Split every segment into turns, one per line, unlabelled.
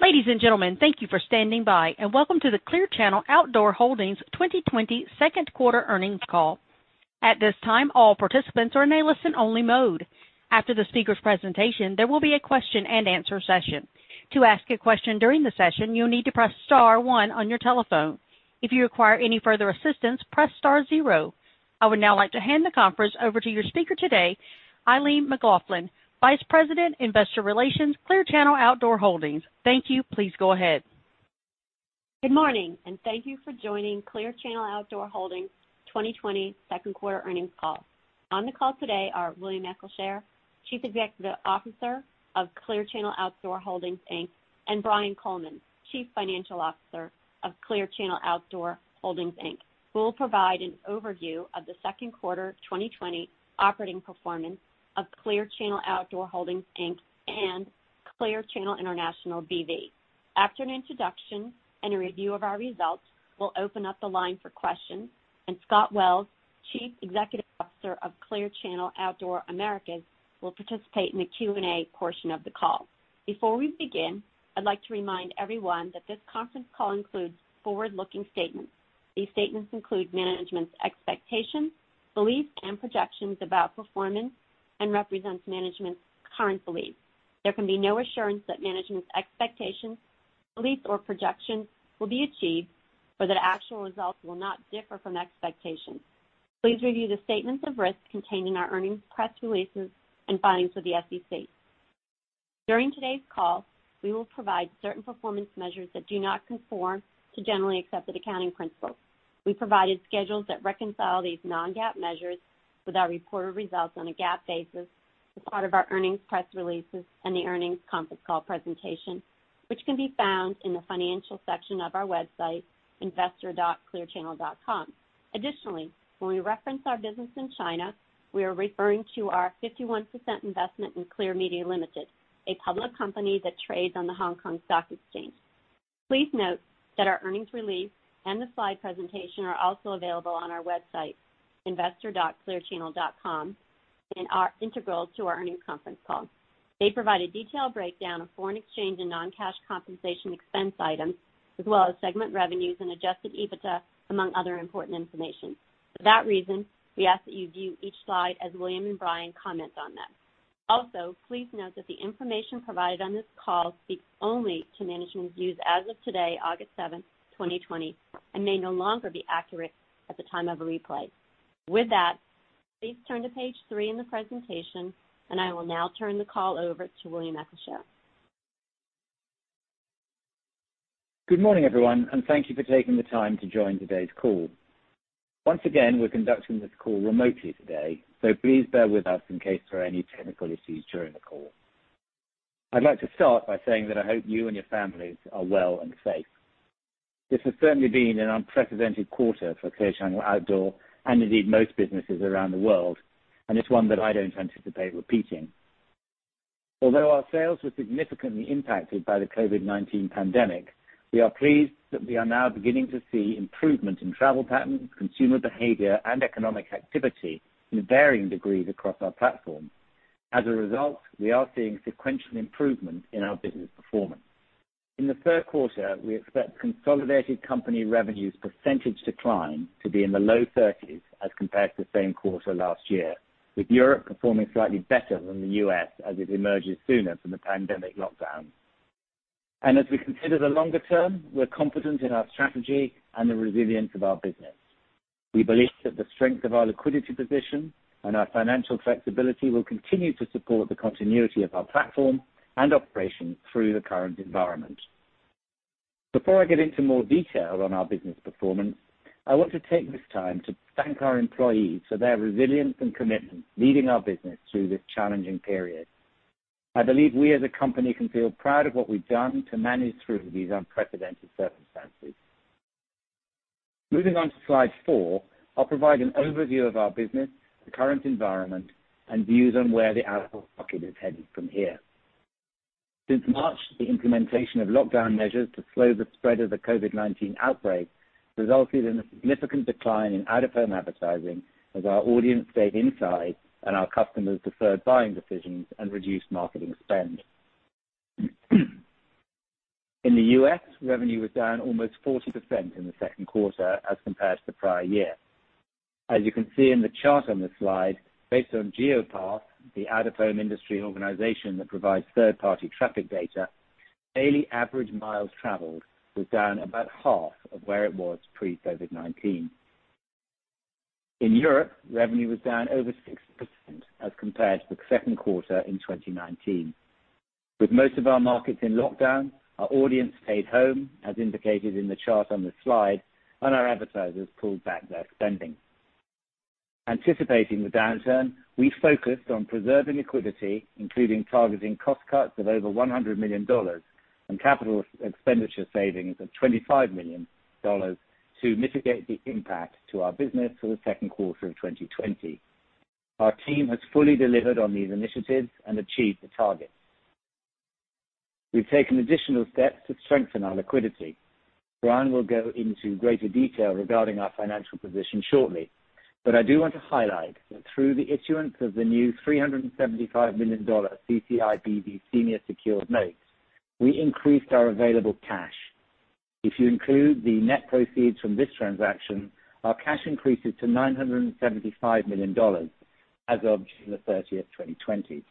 Ladies and gentlemen, thank you for standing by and welcome to the Clear Channel Outdoor Holdings 2020 second quarter earnings call. At this time all the participants are in listen only mode. After speakers presentations there will be a question and answer session. To ask a question during the session you need to press star one on your telephone. If you require any further assistance press star zero. I would now like to hand the conference over to your speaker today, Eileen McLaughlin, Vice President, Investor Relations, Clear Channel Outdoor Holdings. Thank you. Please go ahead.
Good morning. Thank you for joining Clear Channel Outdoor Holdings 2020 second quarter earnings call. On the call today are William Eccleshare, Chief Executive Officer of Clear Channel Outdoor Holdings, Inc., and Brian Coleman, Chief Financial Officer of Clear Channel Outdoor Holdings, Inc., who will provide an overview of the second quarter 2020 operating performance of Clear Channel Outdoor Holdings, Inc. and Clear Channel International B.V. After an introduction and a review of our results, we'll open up the line for questions, and Scott Wells, Chief Executive Officer of Clear Channel Outdoor Americas, will participate in the Q&A portion of the call. Before we begin, I'd like to remind everyone that this conference call includes forward-looking statements. These statements include management's expectations, beliefs, and projections about performance and represents management's current beliefs. There can be no assurance that management's expectations, beliefs, or projections will be achieved or that actual results will not differ from expectations. Please review the statements of risk contained in our earnings press releases and filings with the SEC. During today's call, we will provide certain performance measures that do not conform to generally accepted accounting principles. We provided schedules that reconcile these non-GAAP measures with our reported results on a GAAP basis as part of our earnings press releases and the earnings conference call presentation, which can be found in the financial section of our website, investor.clearchannel.com. Additionally, when we reference our business in China, we are referring to our 51% investment in Clear Media Limited, a public company that trades on the Hong Kong Stock Exchange. Please note that our earnings release and the slide presentation are also available on our website, investor.clearchannel.com, and are integral to our earnings conference call. They provide a detailed breakdown of foreign exchange and non-cash compensation expense items, as well as segment revenues and Adjusted EBITDA, among other important information. For that reason, we ask that you view each slide as William and Brian comment on them. Also, please note that the information provided on this call speaks only to management views as of today, August 7, 2020, and may no longer be accurate at the time of a replay. With that, please turn to page three in the presentation, and I will now turn the call over to William Eccleshare.
Good morning, everyone, and thank you for taking the time to join today's call. Once again, we're conducting this call remotely today, so please bear with us in case there are any technical issues during the call. I'd like to start by saying that I hope you and your families are well and safe. This has certainly been an unprecedented quarter for Clear Channel Outdoor and indeed most businesses around the world, and it's one that I don't anticipate repeating. Although our sales were significantly impacted by the COVID-19 pandemic, we are pleased that we are now beginning to see improvement in travel patterns, consumer behavior, and economic activity in varying degrees across our platforms. As a result, we are seeing sequential improvement in our business performance. In the third quarter, we expect consolidated company revenues percentage decline to be in the low 30%s as compared to the same quarter last year, with Europe performing slightly better than the U.S. as it emerges sooner from the pandemic lockdown. As we consider the longer term, we're confident in our strategy and the resilience of our business. We believe that the strength of our liquidity position and our financial flexibility will continue to support the continuity of our platform and operations through the current environment. Before I get into more detail on our business performance, I want to take this time to thank our employees for their resilience and commitment, leading our business through this challenging period. I believe we as a company can feel proud of what we've done to manage through these unprecedented circumstances. Moving on to slide four, I'll provide an overview of our business, the current environment, and views on where the out-of-home market is headed from here. Since March, the implementation of lockdown measures to slow the spread of the COVID-19 outbreak resulted in a significant decline in out-of-home advertising as our audience stayed inside and our customers deferred buying decisions and reduced marketing spend. In the U.S., revenue was down almost 40% in the second quarter as compared to prior year. As you can see in the chart on this slide, based on Geopath, the out-of-home industry organization that provides third-party traffic data, daily average miles traveled was down about half of where it was pre-COVID-19. In Europe, revenue was down over 6% as compared to the second quarter in 2019. With most of our markets in lockdown, our audience stayed home, as indicated in the chart on this slide, and our advertisers pulled back their spending. Anticipating the downturn, we focused on preserving liquidity, including targeting cost cuts of over $100 million and capital expenditure savings of $25 million to mitigate the impact to our business for the second quarter of 2020. Our team has fully delivered on these initiatives and achieved the targets. We've taken additional steps to strengthen our liquidity. Brian will go into greater detail regarding our financial position shortly. I do want to highlight that through the issuance of the new $375 million CCIBV Senior Secured Notes, we increased our available cash. If you include the net proceeds from this transaction, our cash increases to $975 million as of June 30, 2020.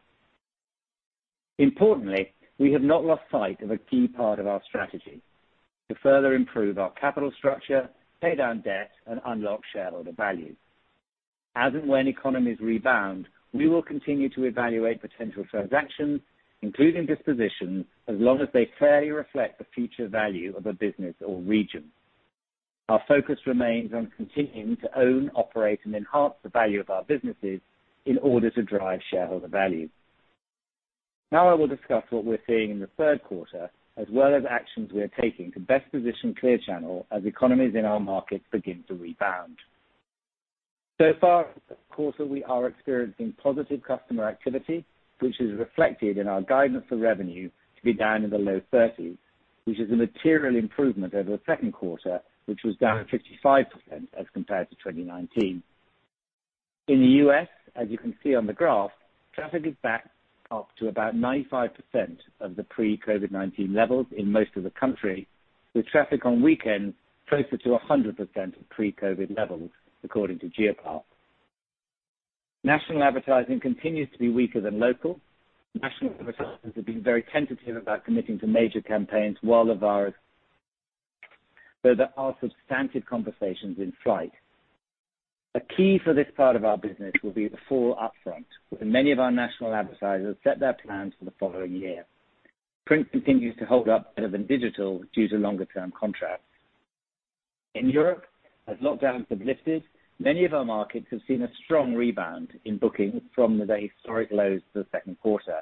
Importantly, we have not lost sight of a key part of our strategy to further improve our capital structure, pay down debt, and unlock shareholder value. As and when economies rebound, we will continue to evaluate potential transactions, including dispositions, as long as they fairly reflect the future value of a business or region. Our focus remains on continuing to own, operate, and enhance the value of our businesses in order to drive shareholder value. Now I will discuss what we're seeing in the third quarter, as well as actions we are taking to best position Clear Channel Outdoor as economies in our markets begin to rebound. Far, this quarter, we are experiencing positive customer activity, which is reflected in our guidance for revenue to be down in the low 30s, which is a material improvement over the second quarter, which was down 55% as compared to 2019. In the U.S., as you can see on the graph, traffic is back up to about 95% of the pre-COVID-19 levels in most of the country, with traffic on weekends closer to 100% of pre-COVID levels, according to Geopath. National advertising continues to be weaker than local. National advertisers have been very tentative about committing to major campaigns while the virus. There are substantive conversations in flight. A key for this part of our business will be the fall upfront, when many of our national advertisers set their plans for the following year. Print continues to hold up better than digital due to longer-term contracts. In Europe, as lockdowns have lifted, many of our markets have seen a strong rebound in bookings from the historic lows of the second quarter.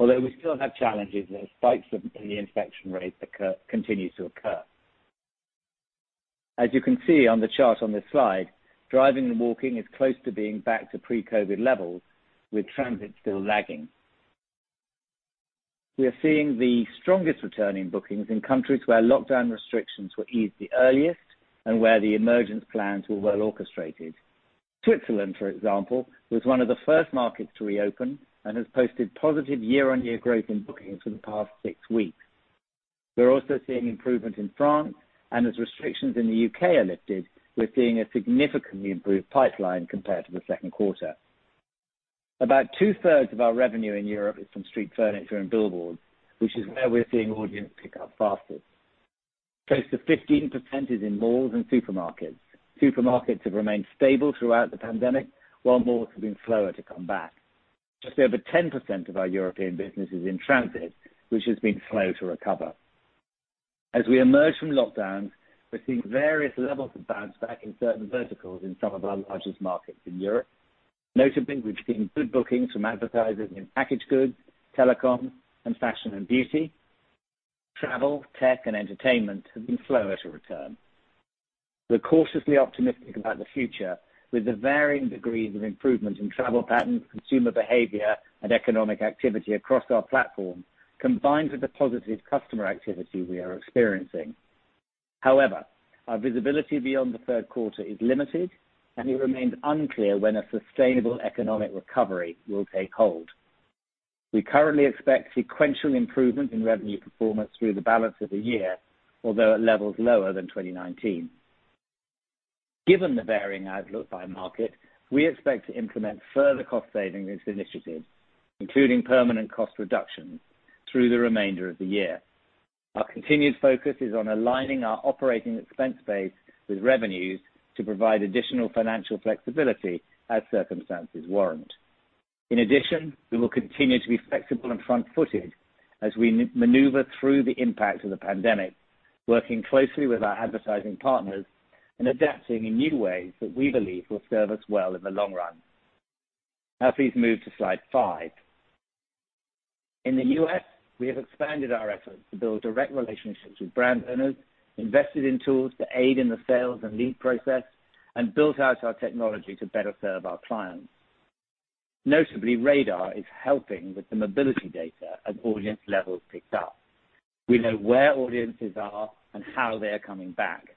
We still have challenges as spikes in the infection rates continues to occur. As you can see on the chart on this slide, driving and walking is close to being back to pre-COVID levels, with transit still lagging. We are seeing the strongest returning bookings in countries where lockdown restrictions were eased the earliest and where the emergence plans were well orchestrated. Switzerland, for example, was one of the first markets to reopen and has posted positive year-over-year growth in bookings for the past six weeks. We're also seeing improvement in France, and as restrictions in the U.K. are lifted, we're seeing a significantly improved pipeline compared to the second quarter. About 2/3 of our revenue in Europe is from street furniture and billboards, which is where we are seeing audience pick up fastest. Close to 15% is in malls and supermarkets. Supermarkets have remained stable throughout the pandemic, while malls have been slower to come back. Just over 10% of our European business is in transit, which has been slow to recover. As we emerge from lockdowns, we're seeing various levels of bounce back in certain verticals in some of our largest markets in Europe. Notably, we've seen good bookings from advertisers in packaged goods, telecom, and fashion and beauty. Travel, tech, and entertainment have been slower to return. We're cautiously optimistic about the future, with the varying degrees of improvement in travel patterns, consumer behavior, and economic activity across our platform, combined with the positive customer activity we are experiencing. However, our visibility beyond the third quarter is limited, and it remains unclear when a sustainable economic recovery will take hold. We currently expect sequential improvement in revenue performance through the balance of the year, although at levels lower than 2019. Given the varying outlook by market, we expect to implement further cost-saving initiatives, including permanent cost reductions, through the remainder of the year. Our continued focus is on aligning our operating expense base with revenues to provide additional financial flexibility as circumstances warrant. We will continue to be flexible and front-footed as we maneuver through the impact of the pandemic, working closely with our advertising partners and adapting in new ways that we believe will serve us well in the long run. Please move to slide five. In the U.S., we have expanded our efforts to build direct relationships with brand owners, invested in tools to aid in the sales and lead process, and built out our technology to better serve our clients. Notably, RADAR is helping with the mobility data as audience levels picked up. We know where audiences are and how they are coming back,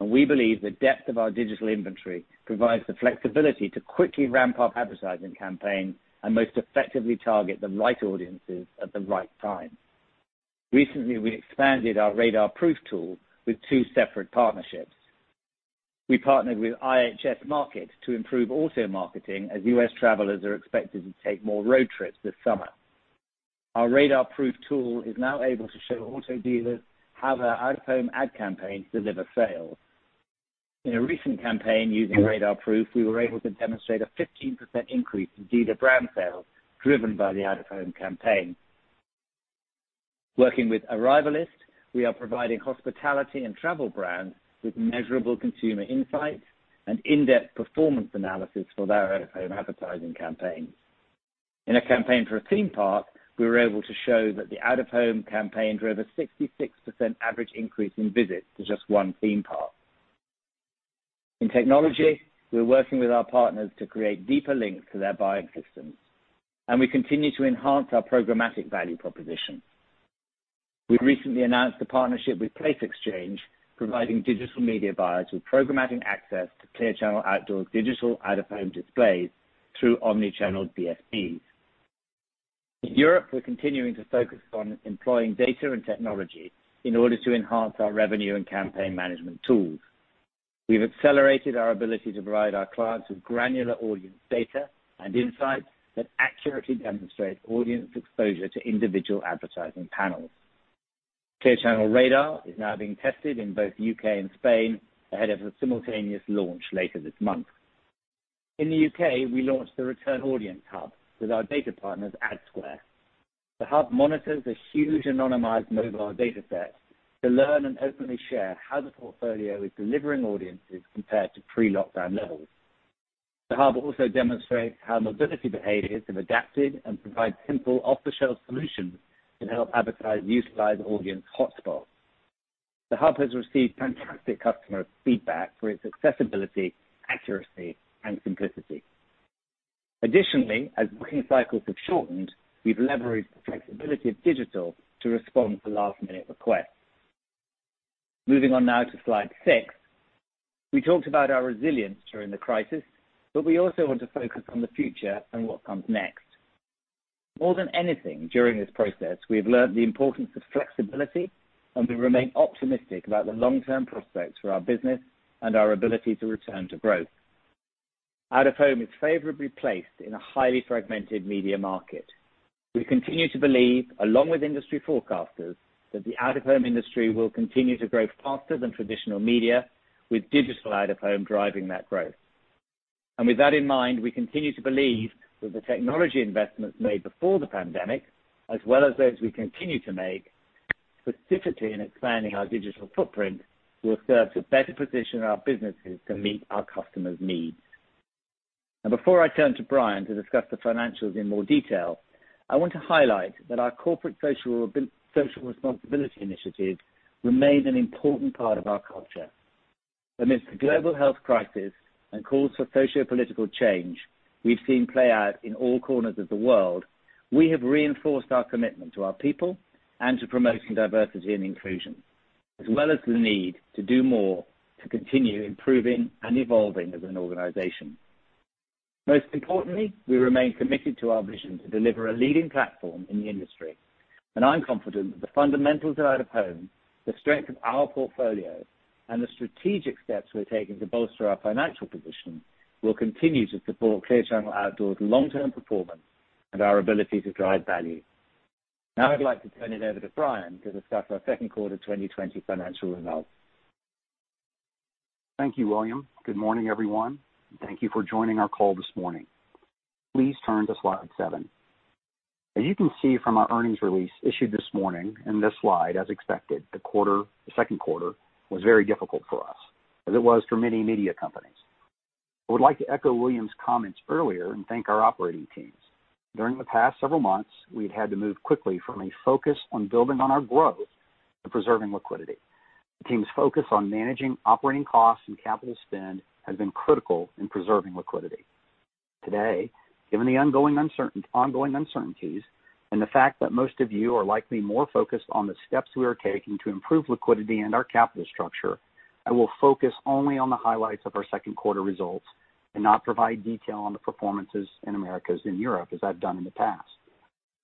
and we believe the depth of our digital inventory provides the flexibility to quickly ramp up advertising campaigns and most effectively target the right audiences at the right time. Recently, we expanded our RADARProof tool with two separate partnerships. We partnered with IHS Markit to improve auto marketing as U.S. travelers are expected to take more road trips this summer. Our RADARProof tool is now able to show auto dealers how their out-of-home ad campaigns deliver sales. In a recent campaign using RADARProof, we were able to demonstrate a 15% increase in dealer brand sales driven by the out-of-home campaign. Working with Arrivalist, we are providing hospitality and travel brands with measurable consumer insights and in-depth performance analysis for their out-of-home advertising campaigns. In a campaign for a theme park, we were able to show that the out-of-home campaign drove a 66% average increase in visits to just one theme park. In technology, we're working with our partners to create deeper links to their buying systems, we continue to enhance our programmatic value proposition. We recently announced a partnership with Place Exchange, providing digital media buyers with programmatic access to Clear Channel Outdoor's digital out-of-home displays through omni-channel DSPs. In Europe, we're continuing to focus on employing data and technology in order to enhance our revenue and campaign management tools. We've accelerated our ability to provide our clients with granular audience data and insights that accurately demonstrate audience exposure to individual advertising panels. Clear Channel RADAR is now being tested in both the U.K. and Spain ahead of a simultaneous launch later this month. In the U.K., we launched the Return Audience Hub with our data partners, Adsquare. The hub monitors a huge anonymized mobile data set to learn and openly share how the portfolio is delivering audiences compared to pre-lockdown levels. The hub also demonstrates how mobility behaviors have adapted and provide simple off-the-shelf solutions to help advertisers utilize audience hotspots. The hub has received fantastic customer feedback for its accessibility, accuracy, and simplicity. Additionally as booking cycles have shortened, we've leveraged the flexibility of digital to respond to last-minute requests. Moving on now to slide six. We talked about our resilience during the crisis, we also want to focus on the future and what comes next. More than anything, during this process, we've learned the importance of flexibility, and we remain optimistic about the long-term prospects for our business and our ability to return to growth. Out-of-home is favorably placed in a highly fragmented media market. We continue to believe, along with industry forecasters, that the out-of-home industry will continue to grow faster than traditional media, with digital out-of-home driving that growth. With that in mind, we continue to believe that the technology investments made before the pandemic, as well as those we continue to make, specifically in expanding our digital footprint, will serve to better position our businesses to meet our customers' needs. Now, before I turn to Brian to discuss the financials in more detail, I want to highlight that our corporate social responsibility initiatives remain an important part of our culture. Amidst the global health crisis and calls for sociopolitical change we've seen play out in all corners of the world, we have reinforced our commitment to our people and to promoting diversity and inclusion, as well as the need to do more to continue improving and evolving as an organization. Most importantly, we remain committed to our vision to deliver a leading platform in the industry, and I'm confident that the fundamentals of out-of-home, the strength of our portfolio, and the strategic steps we're taking to bolster our financial position will continue to support Clear Channel Outdoor's long-term performance and our ability to drive value. Now I'd like to turn it over to Brian to discuss our second quarter 2020 financial results.
Thank you, William. Good morning, everyone, and thank you for joining our call this morning. Please turn to slide seven. As you can see from our earnings release issued this morning, in this slide, as expected, the second quarter was very difficult for us, as it was for many media companies. I would like to echo William's comments earlier and thank our operating teams. During the past several months, we've had to move quickly from a focus on building on our growth to preserving liquidity. The team's focus on managing operating costs and capital spend has been critical in preserving liquidity. Today, given the ongoing uncertainties and the fact that most of you are likely more focused on the steps we are taking to improve liquidity and our capital structure, I will focus only on the highlights of our second quarter results and not provide detail on the performances in Americas and Europe as I've done in the past.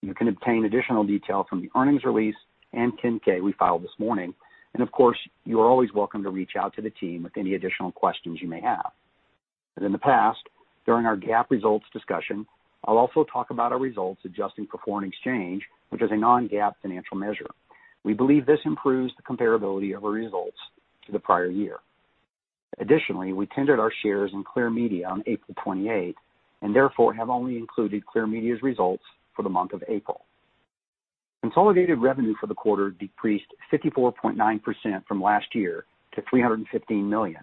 You can obtain additional detail from the earnings release and 10-K we filed this morning. Of course, you are always welcome to reach out to the team with any additional questions you may have. As in the past, during our GAAP results discussion, I'll also talk about our results adjusting for foreign exchange, which is a non-GAAP financial measure. We believe this improves the comparability of our results to the prior year. Additionally, we tendered our shares in Clear Media on April 28, and therefore have only included Clear Media's results for the month of April. Consolidated revenue for the quarter decreased 54.9% from last year to $315 million.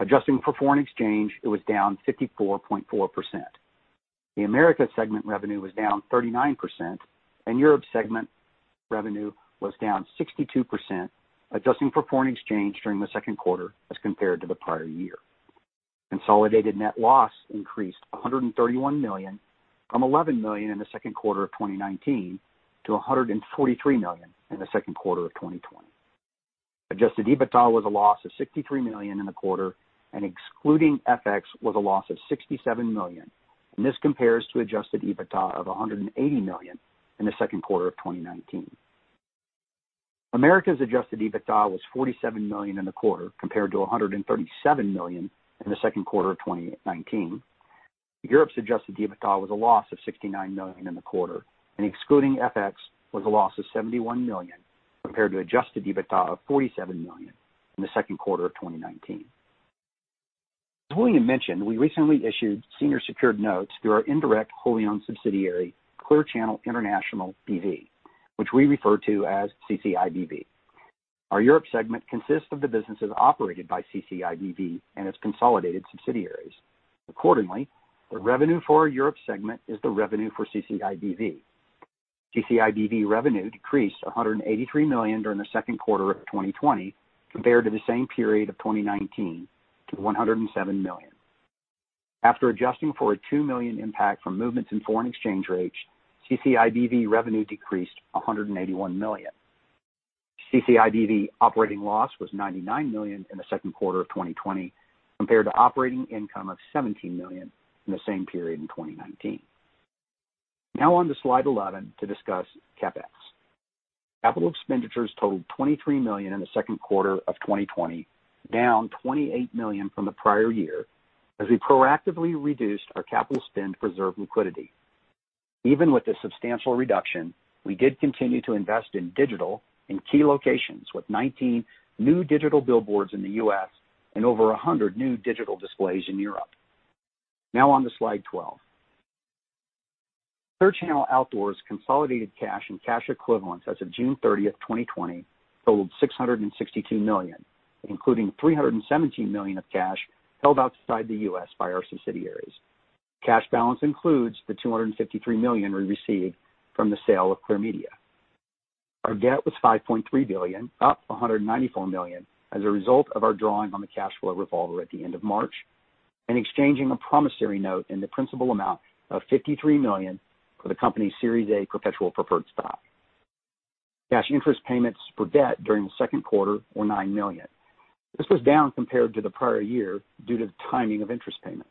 Adjusting for foreign exchange, it was down 54.4%. The Americas segment revenue was down 39%, and Europe segment revenue was down 62%, adjusting for foreign exchange during the second quarter as compared to the prior year. Consolidated net loss increased $131 million from $11 million in the second quarter of 2019 to $143 million in the second quarter of 2020. Adjusted EBITDA was a loss of $63 million in the quarter, and excluding FX, was a loss of $67 million, and this compares to Adjusted EBITDA of $180 million in the second quarter of 2019. Americas Adjusted EBITDA was $47 million in the quarter compared to $137 million in the second quarter of 2019. Europe's Adjusted EBITDA was a loss of $69 million in the quarter, and excluding FX, was a loss of $71 million compared to Adjusted EBITDA of $47 million in the second quarter of 2019. As William mentioned, we recently issued senior secured notes through our indirect wholly owned subsidiary, Clear Channel International B.V., which we refer to as CCIBV. Our Europe segment consists of the businesses operated by CCIBV and its consolidated subsidiaries. Accordingly, the revenue for our Europe segment is the revenue for CCIBV. CCIBV revenue decreased $183 million during the second quarter of 2020 compared to the same period of 2019 to $107 million. After adjusting for a $2 million impact from movements in foreign exchange rates, CCIBV revenue decreased $181 million. CCIBV operating loss was $99 million in the second quarter of 2020 compared to operating income of $17 million in the same period in 2019. On to slide 11 to discuss CapEx. Capital expenditures totaled $23 million in the second quarter of 2020, down $28 million from the prior year, as we proactively reduced our capital spend to preserve liquidity. Even with the substantial reduction, we did continue to invest in digital in key locations, with 19 new digital billboards in the U.S. and over 100 new digital displays in Europe. On to slide 12. Clear Channel Outdoor's consolidated cash and cash equivalents as of June 30, 2020, totaled $662 million, including $317 million of cash held outside the U.S. by our subsidiaries. Cash balance includes the $253 million we received from the sale of Clear Media. Our debt was $5.3 billion, up $194 million as a result of our drawing on the Cash Flow Revolver at the end of March and exchanging a promissory note in the principal amount of $53 million for the company's Series A perpetual preferred stock. Cash interest payments for debt during the second quarter were $9 million. This was down compared to the prior year due to the timing of interest payments.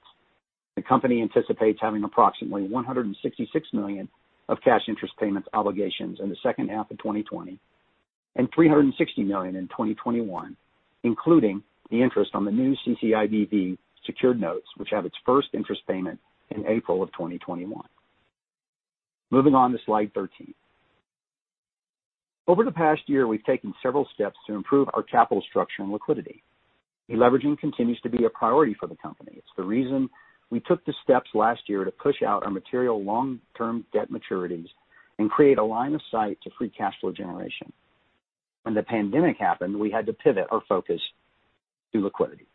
The company anticipates having approximately $166 million of cash interest payments obligations in the second half of 2020 and $360 million in 2021, including the interest on the new CCIBV Secured Notes, which have its first interest payment in April of 2021. Moving on to slide 13. Over the past year, we've taken several steps to improve our capital structure and liquidity. Deleveraging continues to be a priority for the company. It's the reason we took the steps last year to push out our material long-term debt maturities and create a line of sight to free cash flow generation. When the pandemic happened, we had to pivot our focus to liquidity.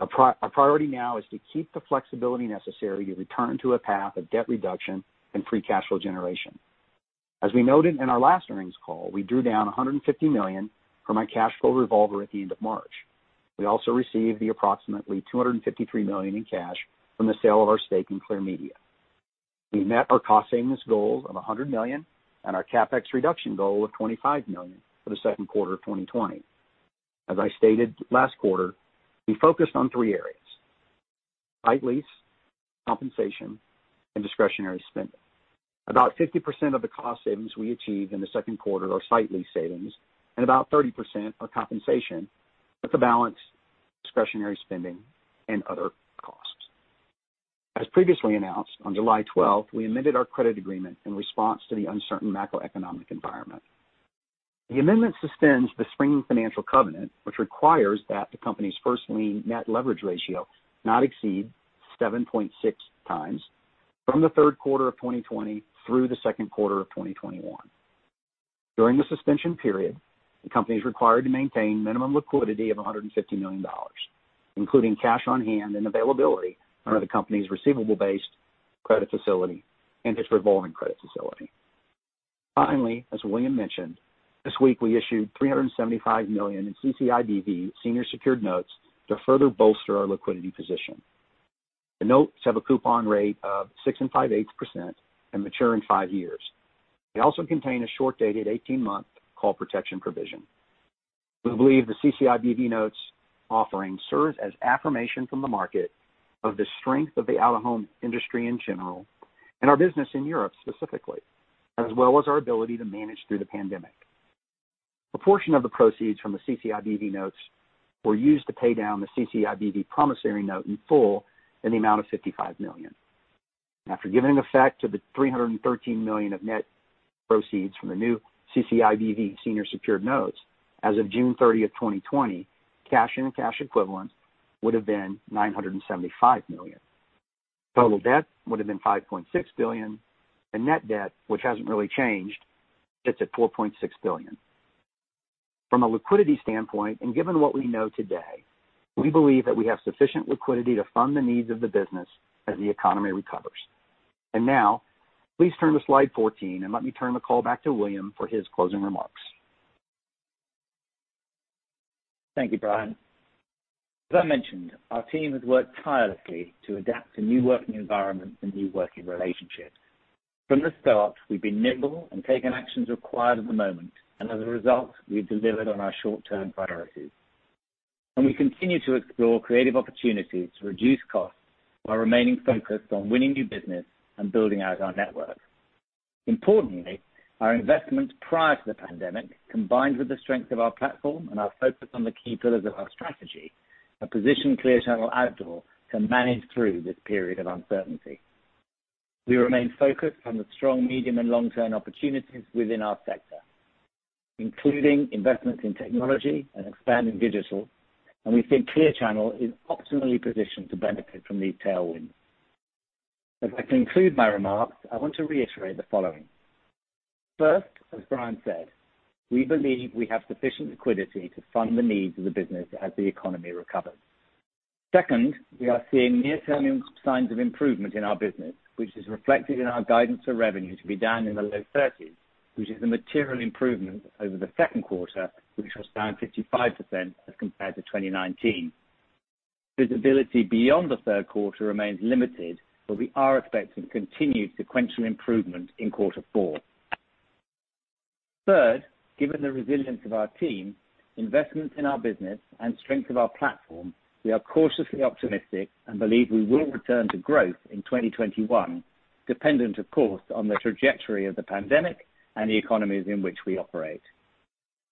Our priority now is to keep the flexibility necessary to return to a path of debt reduction and free cash flow generation. As we noted in our last earnings call, we drew down $150 million from our Cash Flow Revolver at the end of March. We also received approximately $253 million in cash from the sale of our stake in Clear Media. We met our cost savings goals of $100 million and our CapEx reduction goal of $25 million for the second quarter of 2020. As I stated last quarter, we focused on three areas, site lease, compensation, and discretionary spending. About 50% of the cost savings we achieved in the second quarter are site lease savings and about 30% are compensation, with the balance discretionary spending and other costs. As previously announced on July 12th, we amended our credit agreement in response to the uncertain macroeconomic environment. The amendment suspends the springing financial covenant, which requires that the company's first-lien net leverage ratio not exceed 7.6x from the third quarter of 2020 through the second quarter of 2021. During the suspension period, the company's required to maintain minimum liquidity of $150 million, including cash on hand and availability under the company's receivable-based credit facility and its revolving credit facility. Finally, as William mentioned, this week we issued $375 million in CCIBV Senior Secured Notes to further bolster our liquidity position. The notes have a coupon rate of 6.58% and mature in five years. They also contain a short-dated 18-month call protection provision. We believe the CCIBV notes offering serves as affirmation from the market of the strength of the out-of-home industry in general and our business in Europe specifically, as well as our ability to manage through the pandemic. A portion of the proceeds from the CCIBV notes were used to pay down the CCIBV promissory note in full in the amount of $55 million. After giving effect to the $313 million of net proceeds from the new CCIBV Senior Secured Notes, as of June 30th, 2020, cash and cash equivalents would've been $975 million. Total debt would've been $5.6 billion, and net debt, which hasn't really changed, sits at $4.6 billion. From a liquidity standpoint, and given what we know today, we believe that we have sufficient liquidity to fund the needs of the business as the economy recovers. Now, please turn to slide 14, and let me turn the call back to William for his closing remarks.
Thank you, Brian. As I mentioned, our team has worked tirelessly to adapt to new working environments and new working relationships. From the start, we've been nimble and taken actions required at the moment, as a result, we've delivered on our short-term priorities. We continue to explore creative opportunities to reduce costs while remaining focused on winning new business and building out our network. Importantly, our investments prior to the pandemic, combined with the strength of our platform and our focus on the key pillars of our strategy, have positioned Clear Channel Outdoor to manage through this period of uncertainty. We remain focused on the strong medium and long-term opportunities within our sector, including investments in technology and expanding digital, we think Clear Channel is optimally positioned to benefit from these tailwinds. As I conclude my remarks, I want to reiterate the following. First, as Brian said, we believe we have sufficient liquidity to fund the needs of the business as the economy recovers. Second, we are seeing near-term signs of improvement in our business, which is reflected in our guidance for revenue to be down in the low 30s, which is a material improvement over the second quarter, which was down 55% as compared to 2019. Visibility beyond the third quarter remains limited. We are expecting continued sequential improvement in quarter four. Third, given the resilience of our team, investments in our business and strength of our platform, we are cautiously optimistic and believe we will return to growth in 2021, dependent, of course, on the trajectory of the pandemic and the economies in which we operate.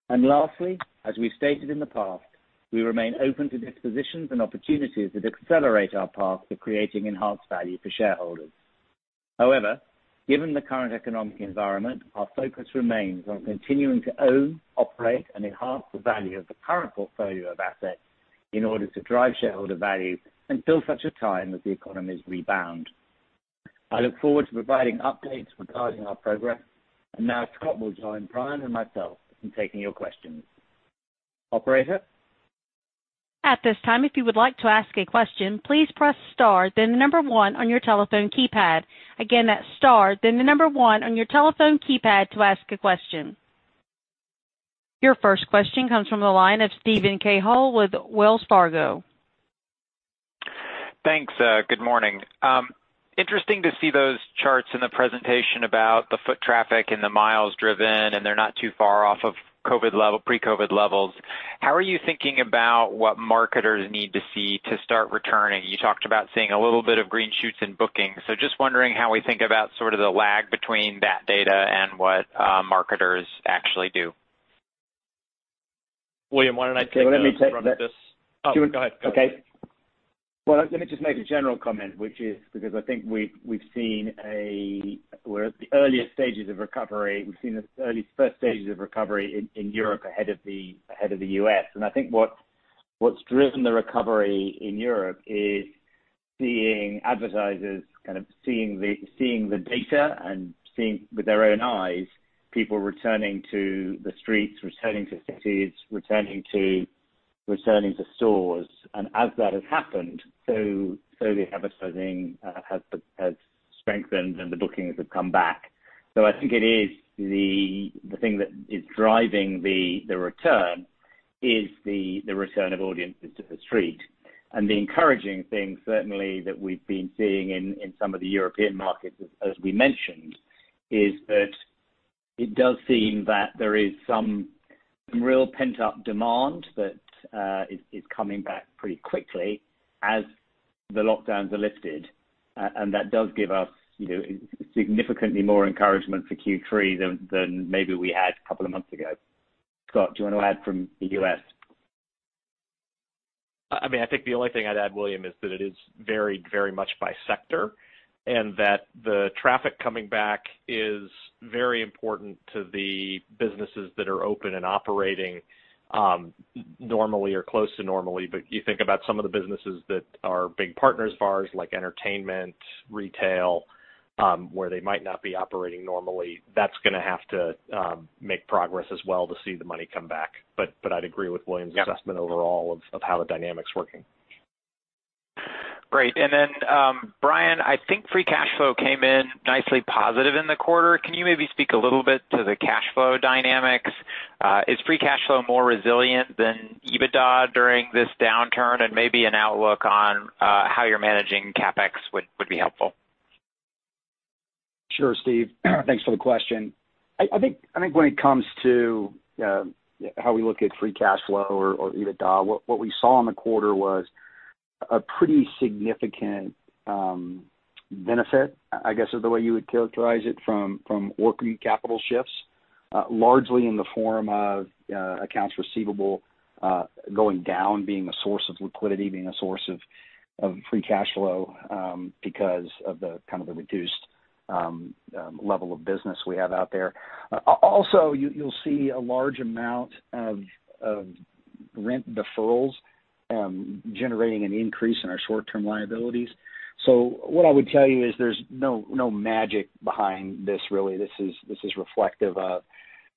Lastly, as we've stated in the past, we remain open to dispositions and opportunities that accelerate our path to creating enhanced value for shareholders. However, given the current economic environment, our focus remains on continuing to own, operate, and enhance the value of the current portfolio of assets in order to drive shareholder value until such a time that the economies rebound. I look forward to providing updates regarding our progress, and now Scott will join Brian and myself in taking your questions. Operator?
At this time if you would like to ask a question, please press star then number one on your telephone keypad. Again star then number one on your telephone keypad to ask a question. Your first question comes from the line of Steven Cahall with Wells Fargo.
Thanks. Good morning. Interesting to see those charts in the presentation about the foot traffic and the miles driven, they're not too far off of pre-COVID levels. How are you thinking about what marketers need to see to start returning? You talked about seeing a little bit of green shoots in booking. Just wondering how we think about sort of the lag between that data and what marketers actually do.
William, why don't I take that from.
Okay, let me take that.
Oh, go ahead.
Okay. Well, let me just make a general comment, which is because I think we've seen we're at the earliest stages of recovery. We've seen the earliest first stages of recovery in Europe ahead of the U.S., I think what's driven the recovery in Europe is seeing advertisers kind of seeing the data and seeing with their own eyes, people returning to the streets, returning to cities, returning to stores. As that has happened, the advertising has strengthened and the bookings have come back. I think it is the thing that is driving the return is the return of audiences to the street. The encouraging thing certainly that we've been seeing in some of the European markets, as we mentioned, is that it does seem that there is some real pent-up demand that is coming back pretty quickly as the lockdowns are lifted. That does give us significantly more encouragement for Q3 than maybe we had a couple of months ago. Scott, do you want to add from the U.S.?
I think the only thing I'd add, William, is that it is varied very much by sector, and that the traffic coming back is very important to the businesses that are open and operating normally or close to normally. You think about some of the businesses that are big partners of ours, like entertainment, retail, where they might not be operating normally. That's going to have to make progress as well to see the money come back. I'd agree with William's assessment overall of how the dynamic's working.
Great. Then, Brian, I think free cash flow came in nicely positive in the quarter. Can you maybe speak a little bit to the cash flow dynamics? Is free cash flow more resilient than EBITDA during this downturn? Maybe an outlook on how you're managing CapEx would be helpful.
Sure, Steven. Thanks for the question. I think when it comes to how we look at free cash flow or EBITDA, what we saw in the quarter was a pretty significant benefit, I guess, is the way you would characterize it, from working capital shifts largely in the form of accounts receivable going down, being a source of liquidity, being a source of free cash flow because of the kind of the reduced level of business we have out there. Also, you'll see a large amount of rent deferrals generating an increase in our short-term liabilities. What I would tell you is there's no magic behind this, really. This is reflective of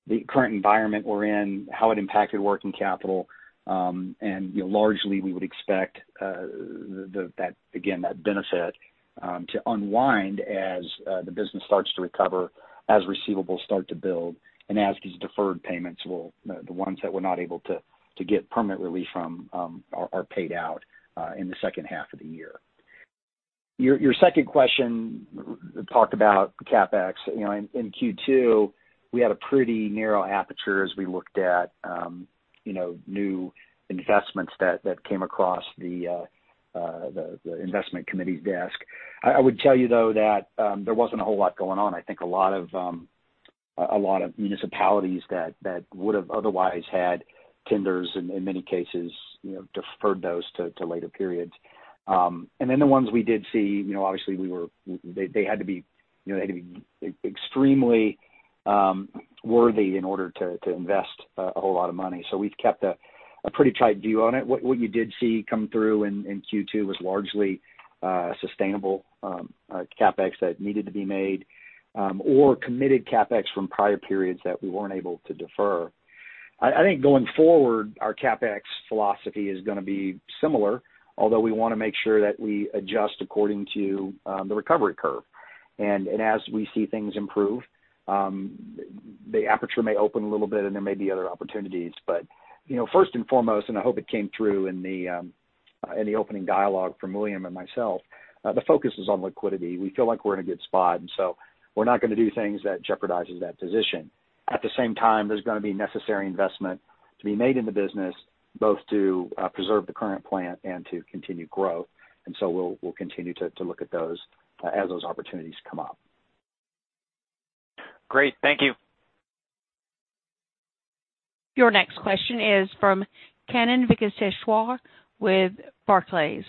the current environment we're in, how it impacted working capital, largely we would expect, again, that benefit to unwind as the business starts to recover, as receivables start to build, and as these deferred payments will, the ones that we're not able to get permanent relief from, are paid out in the second half of the year. Your second question talked about CapEx. In Q2, we had a pretty narrow aperture as we looked at new investments that came across the investment committee desk. I would tell you, though, that there wasn't a whole lot going on. I think a lot of municipalities that would have otherwise had tenders in many cases deferred those to later periods. The ones we did see, obviously they had to be extremely worthy in order to invest a whole lot of money. We've kept a pretty tight view on it. What you did see come through in Q2 was largely sustainable CapEx that needed to be made or committed CapEx from prior periods that we weren't able to defer. I think going forward, our CapEx philosophy is going to be similar, although we want to make sure that we adjust according to the recovery curve. As we see things improve, the aperture may open a little bit and there may be other opportunities. First and foremost, and I hope it came through in the opening dialogue from William and myself, the focus is on liquidity. We feel like we're in a good spot, we're not going to do things that jeopardizes that position. At the same time, there's going to be necessary investment to be made in the business, both to preserve the current plan and to continue growth. We'll continue to look at those as those opportunities come up.
Great. Thank you.
Your next question is from Kannan Venkateshwar with Barclays.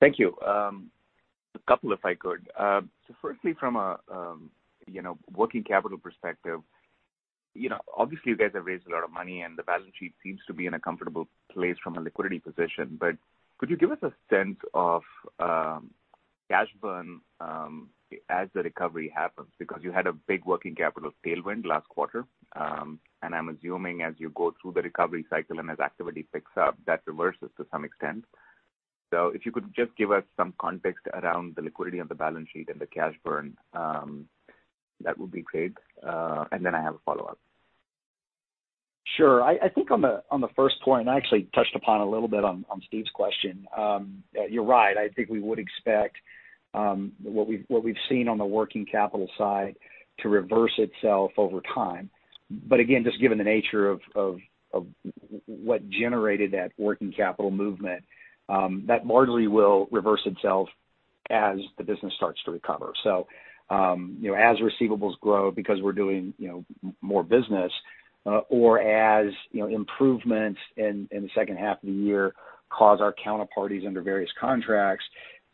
Thank you. A couple, if I could. Firstly, from a working capital perspective, obviously you guys have raised a lot of money and the balance sheet seems to be in a comfortable place from a liquidity position. Could you give us a sense of cash burn as the recovery happens? Because you had a big working capital tailwind last quarter, and I'm assuming as you go through the recovery cycle and as activity picks up, that reverses to some extent. If you could just give us some context around the liquidity on the balance sheet and the cash burn, that would be great, then I have a follow-up.
Sure. I think on the first point, I actually touched upon a little bit on Steve's question. You're right. I think we would expect what we've seen on the working capital side to reverse itself over time. Again, just given the nature of what generated that working capital movement, that largely will reverse itself as the business starts to recover. As receivables grow because we're doing more business, or as improvements in the second half of the year cause our counterparties under various contracts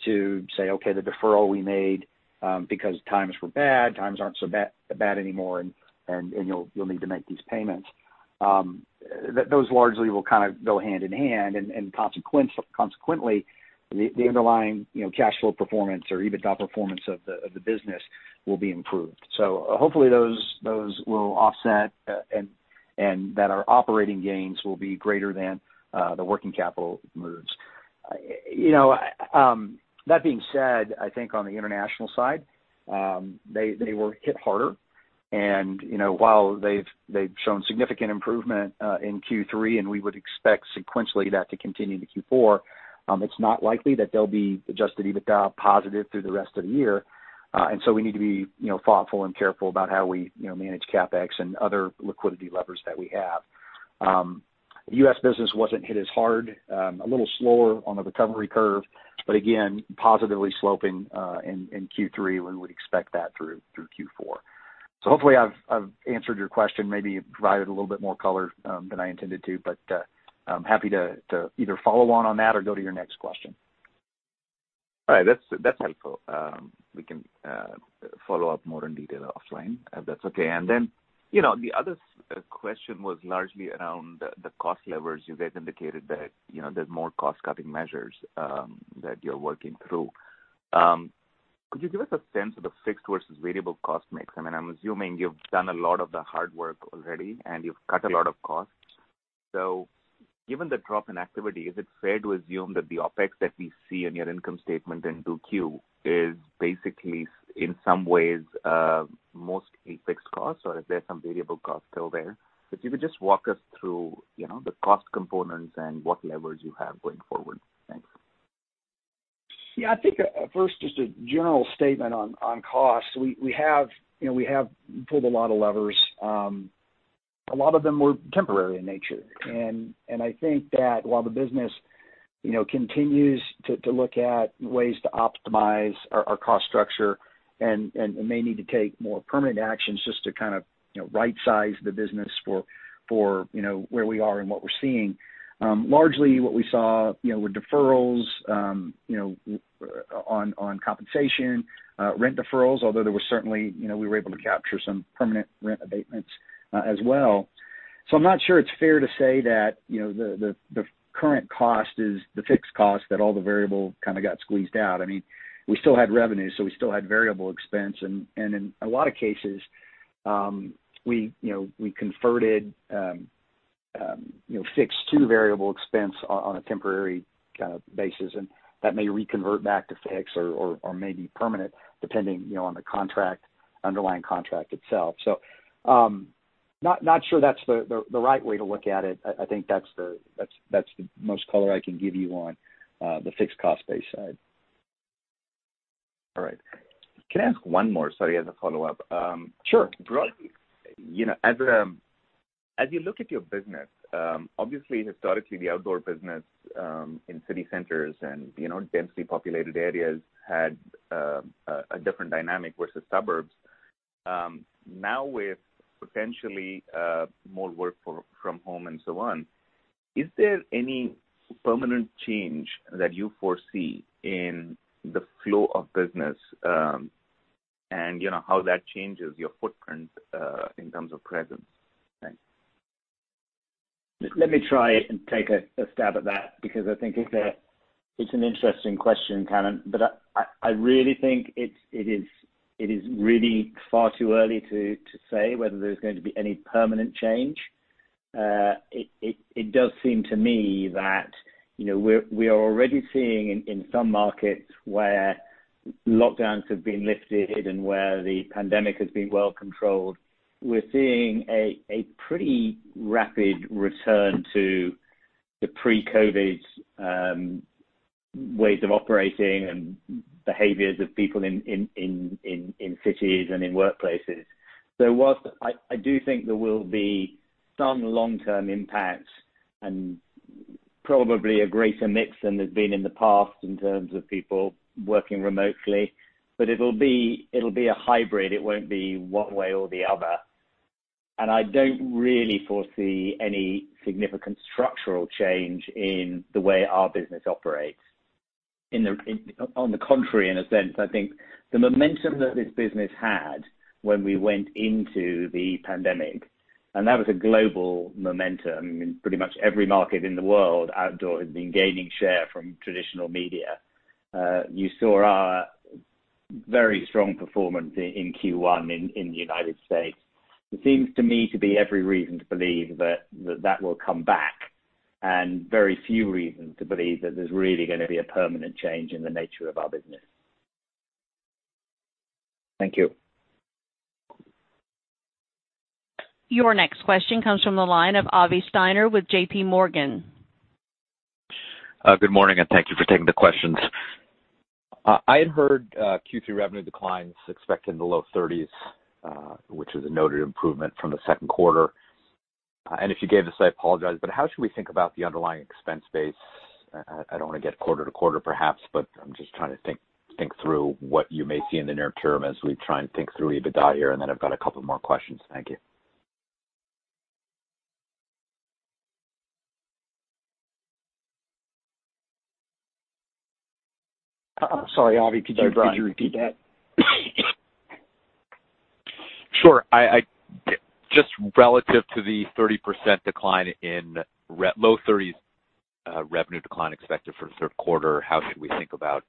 to say, "Okay, the deferral we made because times were bad, times aren't so bad anymore, and you'll need to make these payments." Those largely will kind of go hand in hand and consequently, the underlying cashflow performance or EBITDA performance of the business will be improved. Hopefully those will offset and that our operating gains will be greater than the working capital moves. That being said, I think on the international side, they were hit harder. While they've shown significant improvement in Q3, and we would expect sequentially that to continue to Q4, it's not likely that they'll be Adjusted EBITDA positive through the rest of the year. We need to be thoughtful and careful about how we manage CapEx and other liquidity levers that we have. U.S. business wasn't hit as hard, a little slower on the recovery curve, but again, positively sloping in Q3. We would expect that through Q4. Hopefully I've answered your question, maybe provided a little bit more color than I intended to, but I'm happy to either follow on on that or go to your next question.
All right. That's helpful. We can follow up more in detail offline, if that's okay. The other question was largely around the cost levers. You guys indicated that there's more cost-cutting measures that you're working through. Could you give us a sense of the fixed versus variable cost mix? I'm assuming you've done a lot of the hard work already, and you've cut a lot of costs. Given the drop in activity, is it fair to assume that the OpEx that we see in your income statement in 2Q is basically, in some ways, mostly fixed costs, or is there some variable costs still there? If you could just walk us through the cost components and what levers you have going forward. Thanks.
Yeah, I think first, just a general statement on costs. We have pulled a lot of levers. A lot of them were temporary in nature. I think that while the business continues to look at ways to optimize our cost structure and may need to take more permanent actions just to rightsize the business for where we are and what we're seeing. Largely what we saw were deferrals on compensation, rent deferrals, although there were certainly we were able to capture some permanent rent abatements as well. I'm not sure it's fair to say that the current cost is the fixed cost, that all the variable kind of got squeezed out. We still had revenue, so we still had variable expense. In a lot of cases, we converted fixed to variable expense on a temporary basis, and that may reconvert back to fixed or may be permanent, depending on the underlying contract itself. Not sure that's the right way to look at it. I think that's the most color I can give you on the fixed cost base side.
All right. Can I ask one more, sorry, as a follow-up?
Sure.
As you look at your business, obviously historically, the out-of-home business in city centers and densely populated areas had a different dynamic versus suburbs. Now with potentially more work from home and so on, is there any permanent change that you foresee in the flow of business, and how that changes your footprint in terms of presence? Thanks.
Let me try and take a stab at that, because I think it's an interesting question, Kannan. I really think it is really far too early to say whether there's going to be any permanent change. It does seem to me that we are already seeing in some markets where lockdowns have been lifted and where the pandemic has been well controlled, we're seeing a pretty rapid return to the pre-COVID ways of operating and behaviors of people in cities and in workplaces. Whilst I do think there will be some long-term impact and probably a greater mix than there's been in the past in terms of people working remotely, but it'll be a hybrid. It won't be one way or the other. I don't really foresee any significant structural change in the way our business operates. On the contrary, in a sense, I think the momentum that this business had when we went into the pandemic, and that was a global momentum in pretty much every market in the world, outdoor had been gaining share from traditional media. You saw our very strong performance in Q1 in the U.S. There seems to me to be every reason to believe that that will come back, and very few reasons to believe that there's really going to be a permanent change in the nature of our business.
Thank you.
Your next question comes from the line of Avi Steiner with JPMorgan.
Good morning, and thank you for taking the questions. I had heard Q3 revenue declines expected in the low 30s, which is a noted improvement from the second quarter. If you gave this, I apologize, but how should we think about the underlying expense base? I don't want to get quarter to quarter, perhaps, but I'm just trying to think through what you may see in the near term as we try and think through EBITDA here, and then I've got a couple more questions. Thank you.
I'm sorry, Avi. Could you repeat that?
Sure. Just relative to the low 30s revenue decline expected for the third quarter, how should we think about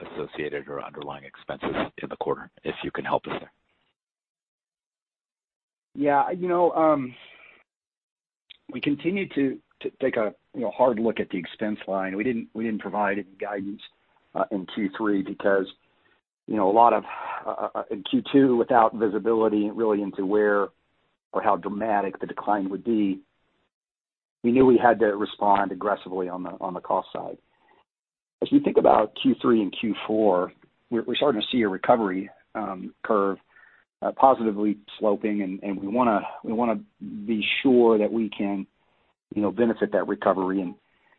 associated or underlying expenses in the quarter, if you can help us there?
We continue to take a hard look at the expense line. We didn't provide any guidance in Q2 without visibility really into where or how dramatic the decline would be. We knew we had to respond aggressively on the cost side. As we think about Q3 and Q4, we're starting to see a recovery curve positively sloping, and we want to be sure that we can benefit that recovery.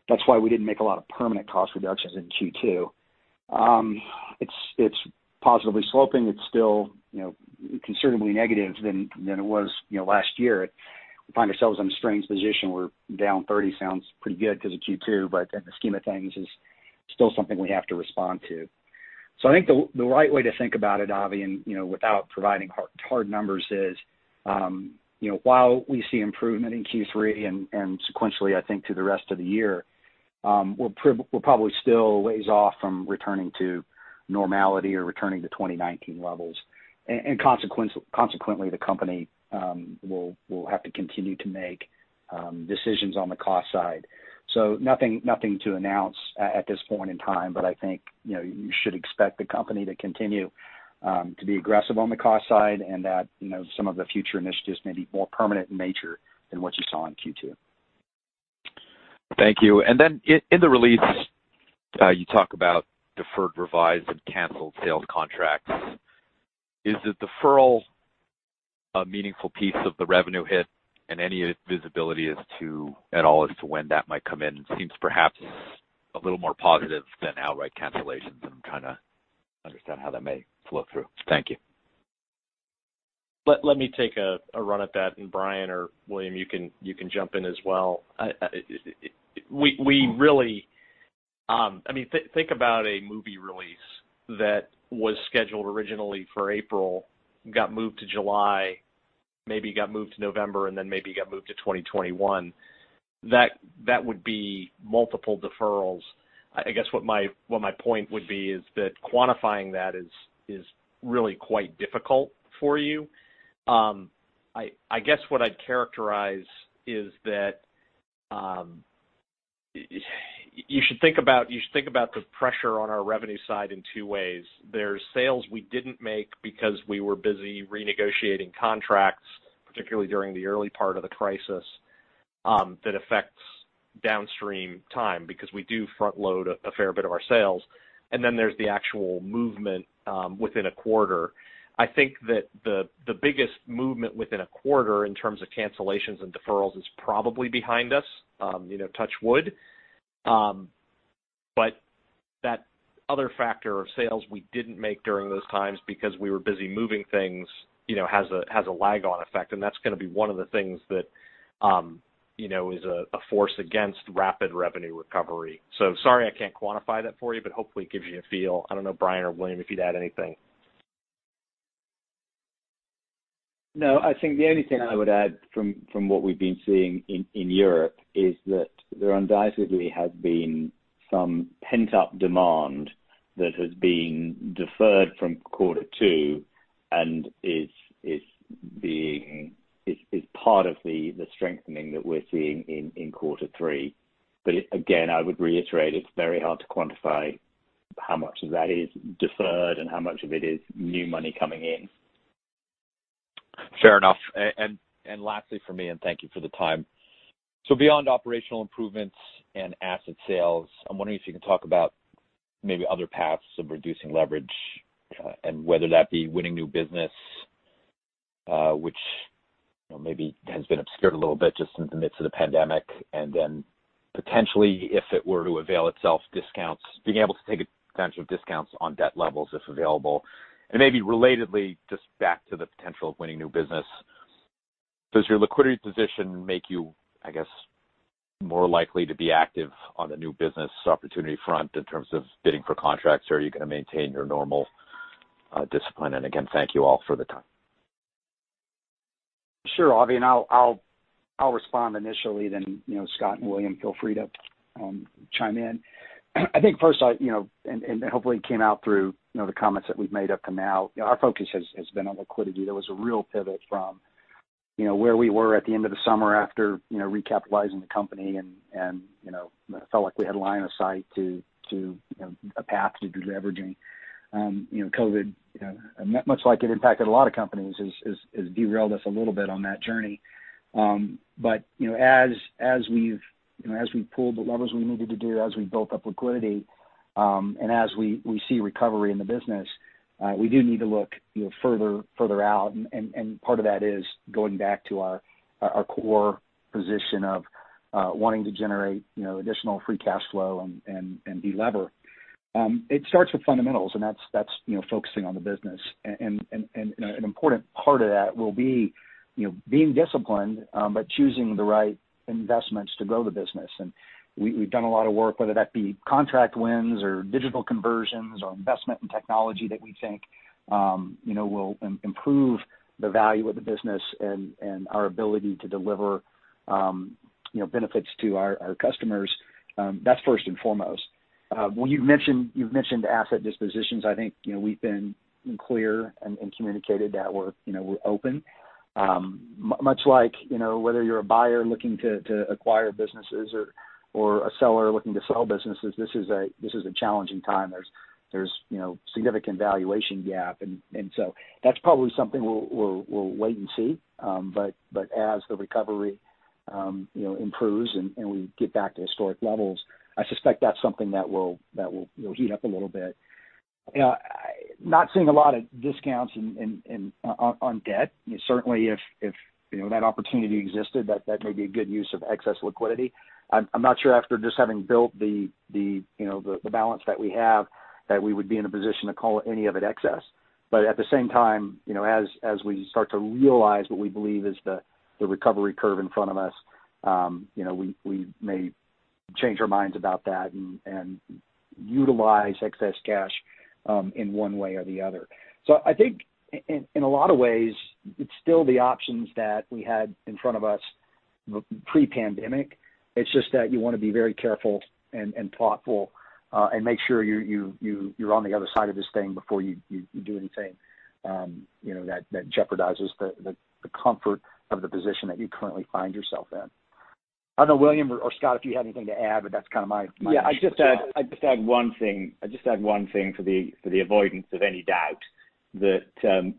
That's why we didn't make a lot of permanent cost reductions in Q2. It's positively sloping. It's still considerably more negative than it was last year. We find ourselves in a strange position where down 30% sounds pretty good because of Q2, but in the scheme of things, it's still something we have to respond to. I think the right way to think about it, Avi, and without providing hard numbers is, while we see improvement in Q3 and sequentially, I think, through the rest of the year, we're probably still a ways off from returning to normality or returning to 2019 levels. Consequently, the company will have to continue to make decisions on the cost side. Nothing to announce at this point in time, but I think you should expect the company to continue to be aggressive on the cost side and that some of the future initiatives may be more permanent in nature than what you saw in Q2.
Thank you. In the release, you talk about deferred revised and canceled sales contracts. Is the deferral a meaningful piece of the revenue hit and any visibility at all as to when that might come in? Seems perhaps a little more positive than outright cancellations. I'm trying to understand how that may flow through. Thank you.
Let me take a run at that, and Brian or William, you can jump in as well. Think about a movie release that was scheduled originally for April, got moved to July, maybe got moved to November, then maybe got moved to 2021. That would be multiple deferrals. I guess what my point would be is that quantifying that is really quite difficult for you. I guess what I'd characterize is that you should think about the pressure on our revenue side in two ways. There's sales we didn't make because we were busy renegotiating contracts, particularly during the early part of the crisis, that affects downstream time because we do front-load a fair bit of our sales. There's the actual movement within a quarter. I think that the biggest movement within a quarter in terms of cancellations and deferrals is probably behind us, touch wood. That other factor of sales we didn't make during those times because we were busy moving things, has a lag on effect, and that's going to be one of the things that is a force against rapid revenue recovery. Sorry I can't quantify that for you, but hopefully it gives you a feel. I don't know, Brian or William, if you'd add anything.
No, I think the only thing I would add from what we've been seeing in Europe is that there undoubtedly has been some pent-up demand that has been deferred from quarter two and is part of the strengthening that we're seeing in quarter three. Again, I would reiterate, it's very hard to quantify how much of that is deferred and how much of it is new money coming in.
Fair enough. Lastly from me, thank you for the time. Beyond operational improvements and asset sales, I'm wondering if you can talk about maybe other paths of reducing leverage, and whether that be winning new business, which maybe has been obscured a little bit just in the midst of the pandemic. Then potentially, if it were to avail itself discounts, being able to take advantage of discounts on debt levels, if available. Maybe relatedly, just back to the potential of winning new business, does your liquidity position make you, I guess, more likely to be active on the new business opportunity front in terms of bidding for contracts? Or are you going to maintain your normal discipline? Again, thank you all for the time.
Sure, Avi, I'll respond initially then, Scott and William, feel free to chime in. I think first, hopefully it came out through the comments that we've made up to now, our focus has been on liquidity. There was a real pivot from where we were at the end of the summer after recapitalizing the company, and it felt like we had a line of sight to a path to de-leveraging. COVID, much like it impacted a lot of companies, has derailed us a little bit on that journey. As we've pulled the levers we needed to do, as we built up liquidity, and as we see recovery in the business, we do need to look further out. Part of that is going back to our core position of wanting to generate additional free cash flow and de-lever. It starts with fundamentals, and that's focusing on the business. An important part of that will be being disciplined, but choosing the right investments to grow the business. We've done a lot of work, whether that be contract wins or digital conversions or investment in technology that we think will improve the value of the business and our ability to deliver benefits to our customers. That's first and foremost. You've mentioned asset dispositions. I think we've been clear and communicated that we're open. Much like whether you're a buyer looking to acquire businesses or a seller looking to sell businesses, this is a challenging time. There's significant valuation gap. That's probably something we'll wait and see. As the recovery improves and we get back to historic levels, I suspect that's something that will heat up a little bit. Not seeing a lot of discounts on debt. Certainly if that opportunity existed, that may be a good use of excess liquidity. I'm not sure after just having built the balance that we have, that we would be in a position to call any of it excess. At the same time, as we start to realize what we believe is the recovery curve in front of us, we may change our minds about that and utilize excess cash in one way or the other. I think in a lot of ways, it's still the options that we had in front of us pre-pandemic. It's just that you want to be very careful and thoughtful, and make sure you're on the other side of this thing before you do anything that jeopardizes the comfort of the position that you currently find yourself in. I don't know, William or Scott, if you had anything to add.
Yeah, I'd just add one thing for the avoidance of any doubt. That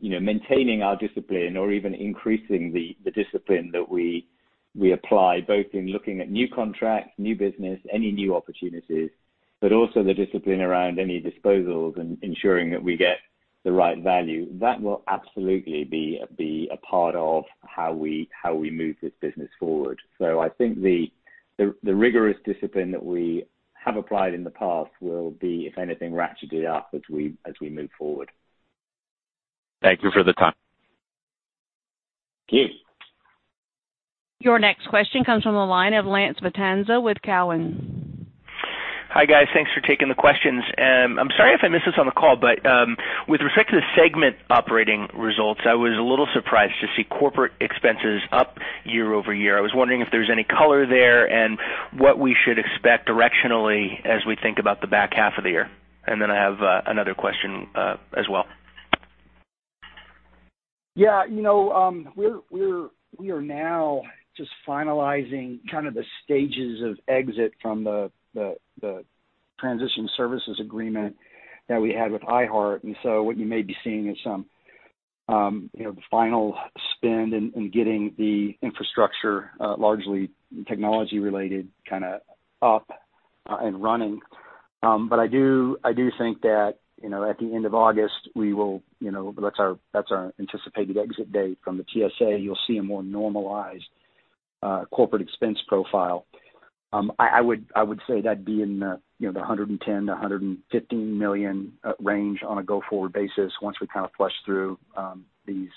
maintaining our discipline or even increasing the discipline that we apply, both in looking at new contracts, new business, any new opportunities, but also the discipline around any disposals and ensuring that we get the right value. That will absolutely be a part of how we move this business forward. I think the rigorous discipline that we have applied in the past will be, if anything, ratcheted up as we move forward.
Thank you for the time.
Thank you.
Your next question comes from the line of Lance Vitanza with Cowen.
Hi, guys. Thanks for taking the questions. I'm sorry if I missed this on the call, but with respect to the segment operating results, I was a little surprised to see corporate expenses up year-over-year. I was wondering if there's any color there and what we should expect directionally as we think about the back half of the year. I have another question as well.
We are now just finalizing kind of the stages of exit from the transition services agreement that we had with iHeart. What you may be seeing is some final spend in getting the infrastructure, largely technology related, kind of up and running. I do think that at the end of August, that's our anticipated exit date from the TSA, you'll see a more normalized corporate expense profile. I would say that'd be in the $110 million-$115 million range on a go-forward basis once we kind of flush through these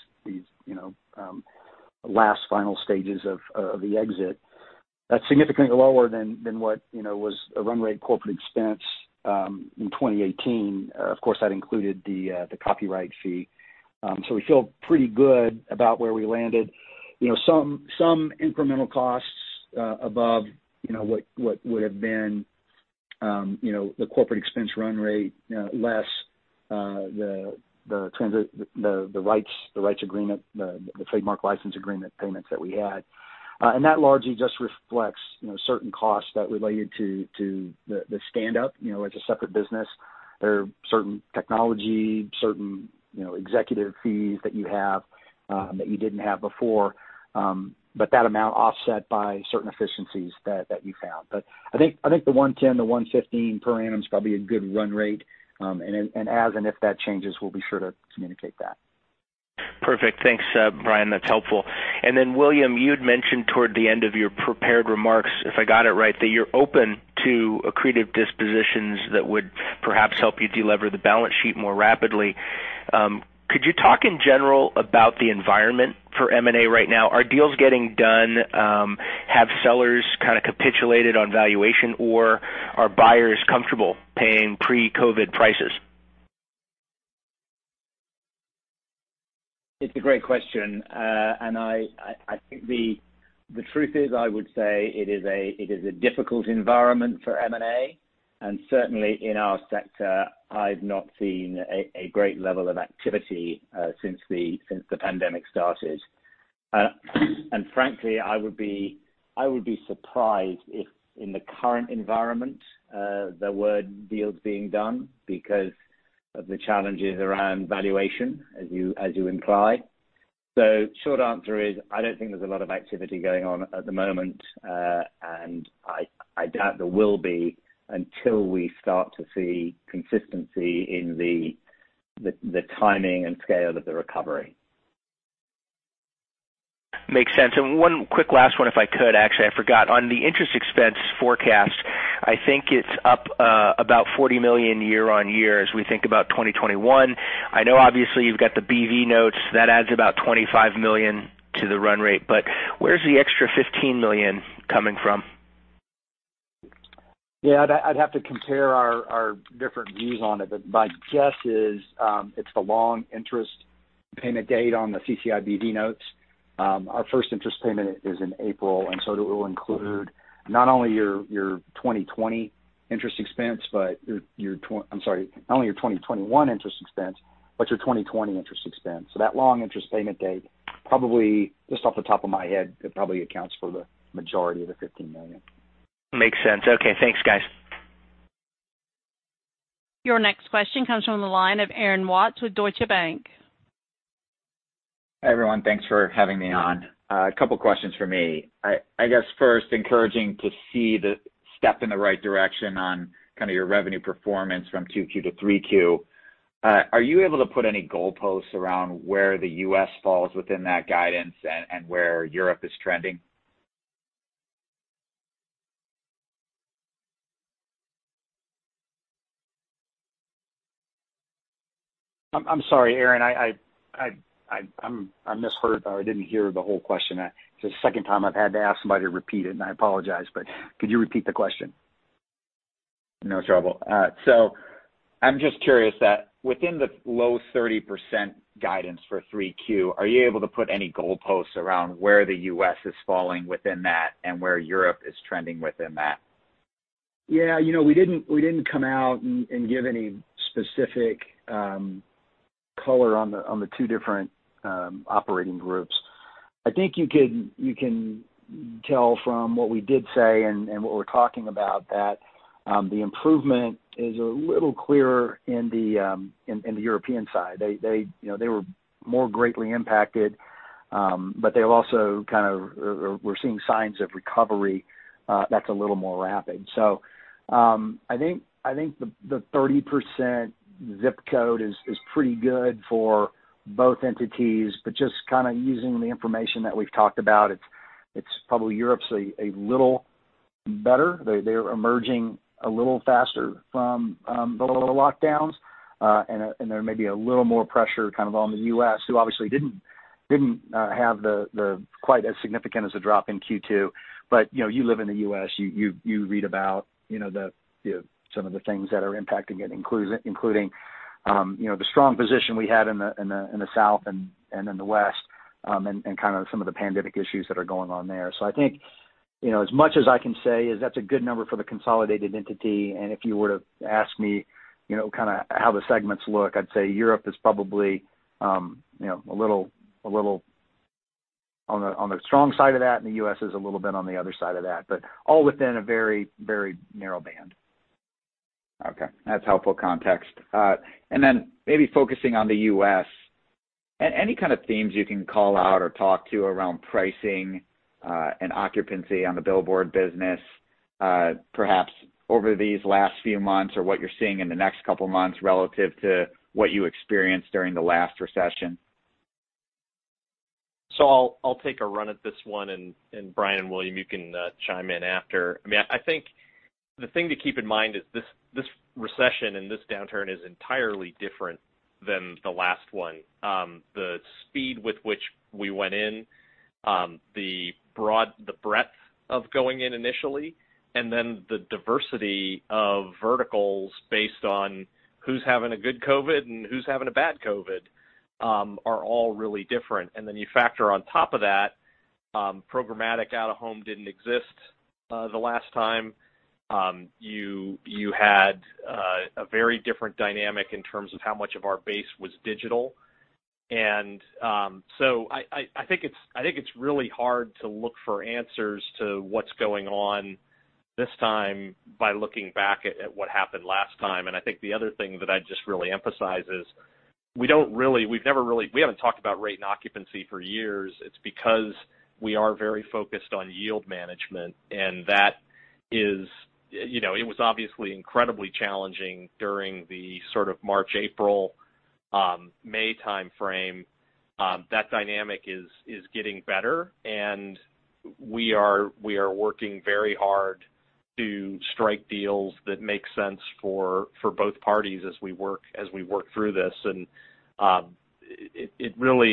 last final stages of the exit. That's significantly lower than what was a run rate corporate expense in 2018. Of course, that included the copyright fee. We feel pretty good about where we landed. Some incremental costs above what would've been the corporate expense run rate, less the rights agreement, the trademark license agreement payments that we had. That largely just reflects certain costs that related to the standup as a separate business. There are certain technology, certain executive fees that you have that you didn't have before. That amount offset by certain efficiencies that you found. I think the $110 million-$115 million per annum is probably a good run rate. As and if that changes, we'll be sure to communicate that.
Perfect. Thanks, Brian. That's helpful. Then William, you'd mentioned toward the end of your prepared remarks, if I got it right, that you're open to accretive dispositions that would perhaps help you de-lever the balance sheet more rapidly. Could you talk in general about the environment for M&A right now? Are deals getting done? Have sellers kind of capitulated on valuation, or are buyers comfortable paying pre-COVID prices?
It's a great question. I think the truth is, I would say it is a difficult environment for M&A. Certainly in our sector, I've not seen a great level of activity since the pandemic started. Frankly, I would be surprised if in the current environment there were deals being done because of the challenges around valuation as you implied. Short answer is, I don't think there's a lot of activity going on at the moment. I doubt there will be until we start to see consistency in the timing and scale of the recovery.
Makes sense. One quick last one if I could. Actually, I forgot. On the interest expense forecast, I think it's up about $40 million year on year as we think about 2021. I know obviously you've got the BV notes. That adds about $25 million to the run rate. Where's the extra $15 million coming from?
Yeah, I'd have to compare our different views on it. My guess is it's the long interest payment date on the CCIBV notes. Our first interest payment is in April, it will include not only your 2021 interest expense, but your 2020 interest expense. That long interest payment date, just off the top of my head, it probably accounts for the majority of the $15 million.
Makes sense. Okay. Thanks, guys.
Your next question comes from the line of Aaron Watts with Deutsche Bank.
Hi, everyone. Thanks for having me on. A couple questions from me. I guess first, encouraging to see the step in the right direction on kind of your revenue performance from Q2 to Q3. Are you able to put any goalposts around where the U.S. falls within that guidance and where Europe is trending?
I'm sorry, Aaron. I misheard or I didn't hear the whole question. It's the second time I've had to ask somebody to repeat it, and I apologize, but could you repeat the question?
No trouble. I'm just curious that within the low 30% guidance for Q3, are you able to put any goalposts around where the U.S. is falling within that and where Europe is trending within that?
Yeah. We didn't come out and give any specific color on the two different operating groups. I think you can tell from what we did say and what we're talking about that the improvement is a little clearer in the European side. They were more greatly impacted, but we're seeing signs of recovery that's a little more rapid. I think the 30% ZIP code is pretty good for both entities, but just kind of using the information that we've talked about, it's probably Europe's a little better. They're emerging a little faster from the lockdowns. There may be a little more pressure kind of on the U.S. who obviously didn't have quite as significant as a drop in Q2, but you live in the U.S. You read about some of the things that are impacting it including the strong position we had in the South and in the West, and kind of some of the pandemic issues that are going on there. I think as much as I can say is that's a good number for the consolidated entity, and if you were to ask me kind of how the segments look, I'd say Europe is probably on the strong side of that, and the U.S. is a little bit on the other side of that. All within a very narrow band.
Okay. That's helpful context. Maybe focusing on the U.S., any kind of themes you can call out or talk to around pricing and occupancy on the billboard business perhaps over these last few months or what you're seeing in the next couple of months relative to what you experienced during the last recession?
I'll take a run at this one, and Brian and William, you can chime in after. I mean, I think the thing to keep in mind is this recession and this downturn is entirely different than the last one. The speed with which we went in, the breadth of going in initially, the diversity of verticals based on who's having a good COVID and who's having a bad COVID are all really different. You factor on top of that, programmatic out-of-home didn't exist the last time. You had a very different dynamic in terms of how much of our base was digital. I think it's really hard to look for answers to what's going on this time by looking back at what happened last time. I think the other thing that I'd just really emphasize is we haven't talked about rate and occupancy for years. It's because we are very focused on yield management, and it was obviously incredibly challenging during the sort of March, April, May timeframe. That dynamic is getting better, and we are working very hard to strike deals that make sense for both parties as we work through this. We've really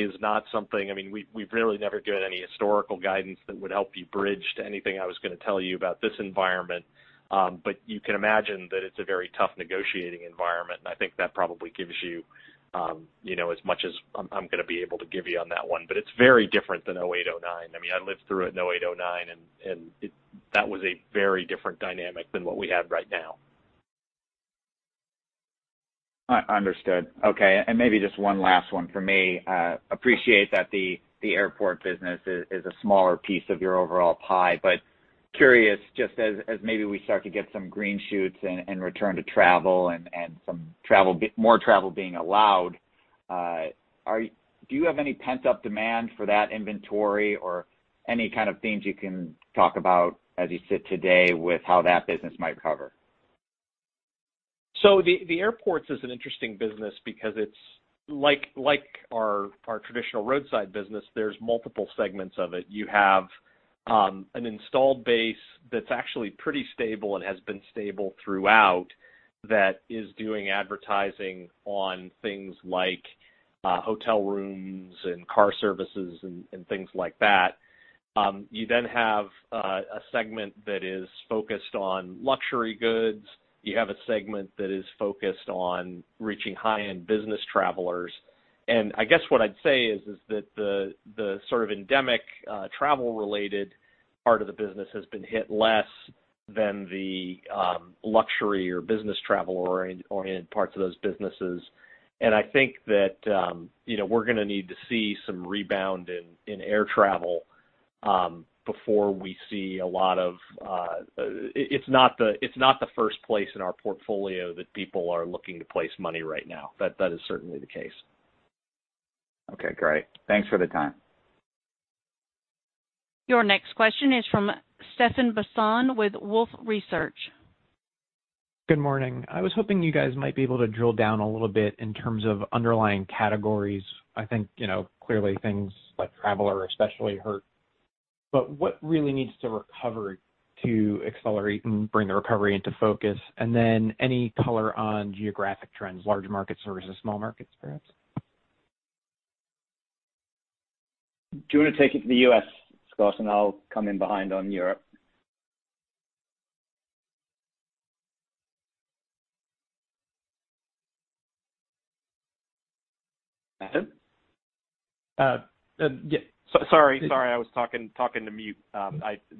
never given any historical guidance that would help you bridge to anything I was going to tell you about this environment. You can imagine that it's a very tough negotiating environment, and I think that probably gives you as much as I'm going to be able to give you on that one. It's very different than 2008, 2009. I lived through it in 2008, 2009, and that was a very different dynamic than what we have right now.
Understood. Okay. Maybe just one last one from me. Appreciate that the airport business is a smaller piece of your overall pie, curious just as maybe we start to get some green shoots and return to travel and more travel being allowed, do you have any pent-up demand for that inventory or any kind of themes you can talk about as you sit today with how that business might recover?
The airports is an interesting business because it's like our traditional roadside business. There's multiple segments of it. You have an installed base that's actually pretty stable and has been stable throughout, that is doing advertising on things like hotel rooms and car services and things like that. You then have a segment that is focused on luxury goods. You have a segment that is focused on reaching high-end business travelers. I guess what I'd say is that the sort of endemic travel-related part of the business has been hit less than the luxury or business travel-oriented parts of those businesses. I think that we're going to need to see some rebound in air travel before we see. It's not the first place in our portfolio that people are looking to place money right now. That is certainly the case.
Okay, great. Thanks for the time.
Your next question is from Stephan Bisson with Wolfe Research.
Good morning. I was hoping you guys might be able to drill down a little bit in terms of underlying categories. I think, clearly things like travel are especially hurt. What really needs to recover to accelerate and bring the recovery into focus? Any color on geographic trends, large markets versus small markets, perhaps?
Do you want to take it to the U.S., Scott, and I'll come in behind on Europe?. [inaudible]
Sorry, I was talking to mute.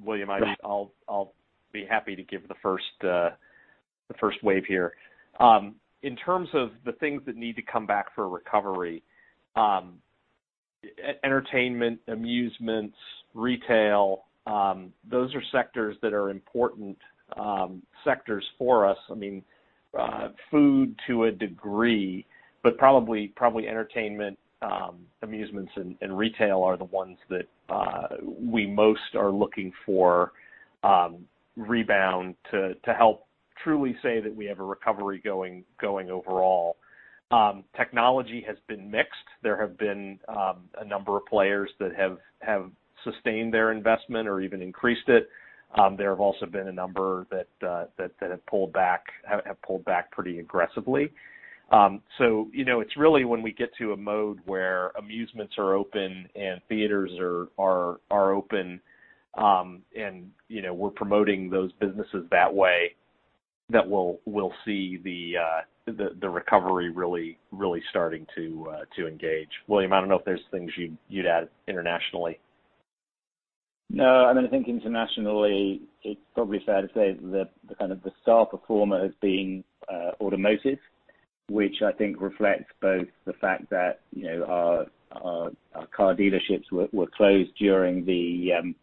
William, I'll be happy to give the first wave here. In terms of the things that need to come back for recovery, entertainment, amusements, retail, those are sectors that are important sectors for us. Food to a degree, probably entertainment, amusements, and retail are the ones that we most are looking for rebound to help truly say that we have a recovery going overall. Technology has been mixed. There have been a number of players that have sustained their investment or even increased it. There have also been a number that have pulled back pretty aggressively. It's really when we get to a mode where amusements are open and theaters are open, and we're promoting those businesses that way, that we'll see the recovery really starting to engage. William, I don't know if there's things you'd add internationally.
No, I think internationally, it's probably fair to say that the kind of the star performer has been automotive, which I think reflects both the fact that our car dealerships were closed during the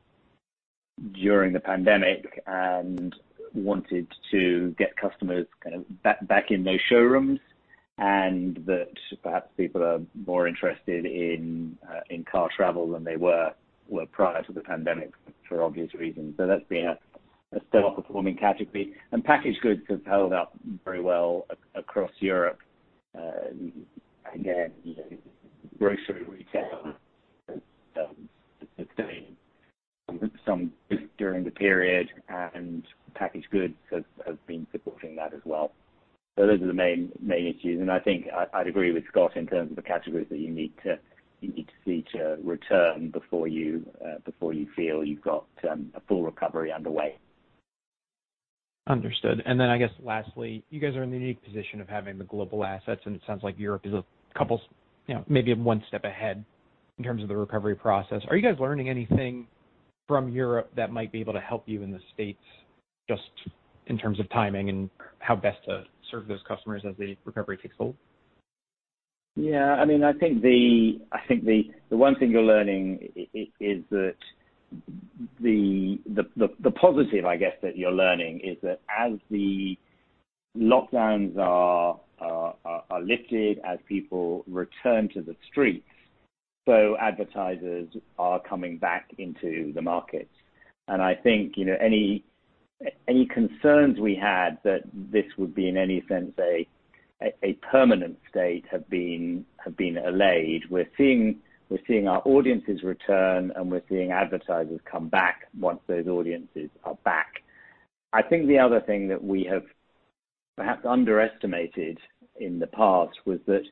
pandemic and wanted to get customers kind of back in those showrooms, and that perhaps people are more interested in car travel than they were prior to the pandemic, for obvious reasons. That's been a star-performing category. Packaged goods has held up very well across Europe. Again, grocery retail sustained some during the period, and packaged goods have been supporting that as well. Those are the main issues, and I think I'd agree with Scott in terms of the categories that you need to see to return before you feel you've got a full recovery underway.
Understood. I guess lastly, you guys are in the unique position of having the global assets, and it sounds like Europe is maybe one step ahead in terms of the recovery process. Are you guys learning anything from Europe that might be able to help you in the States, just in terms of timing and how best to serve those customers as the recovery takes hold?
Yeah. I think the one thing you're learning is that the positive, I guess, that you're learning is that as the lockdowns are lifted, as people return to the streets, so advertisers are coming back into the markets. I think, any concerns we had that this would be, in any sense, a permanent state have been allayed. We're seeing our audiences return, and we're seeing advertisers come back once those audiences are back. I think the other thing that we have perhaps underestimated in the past was that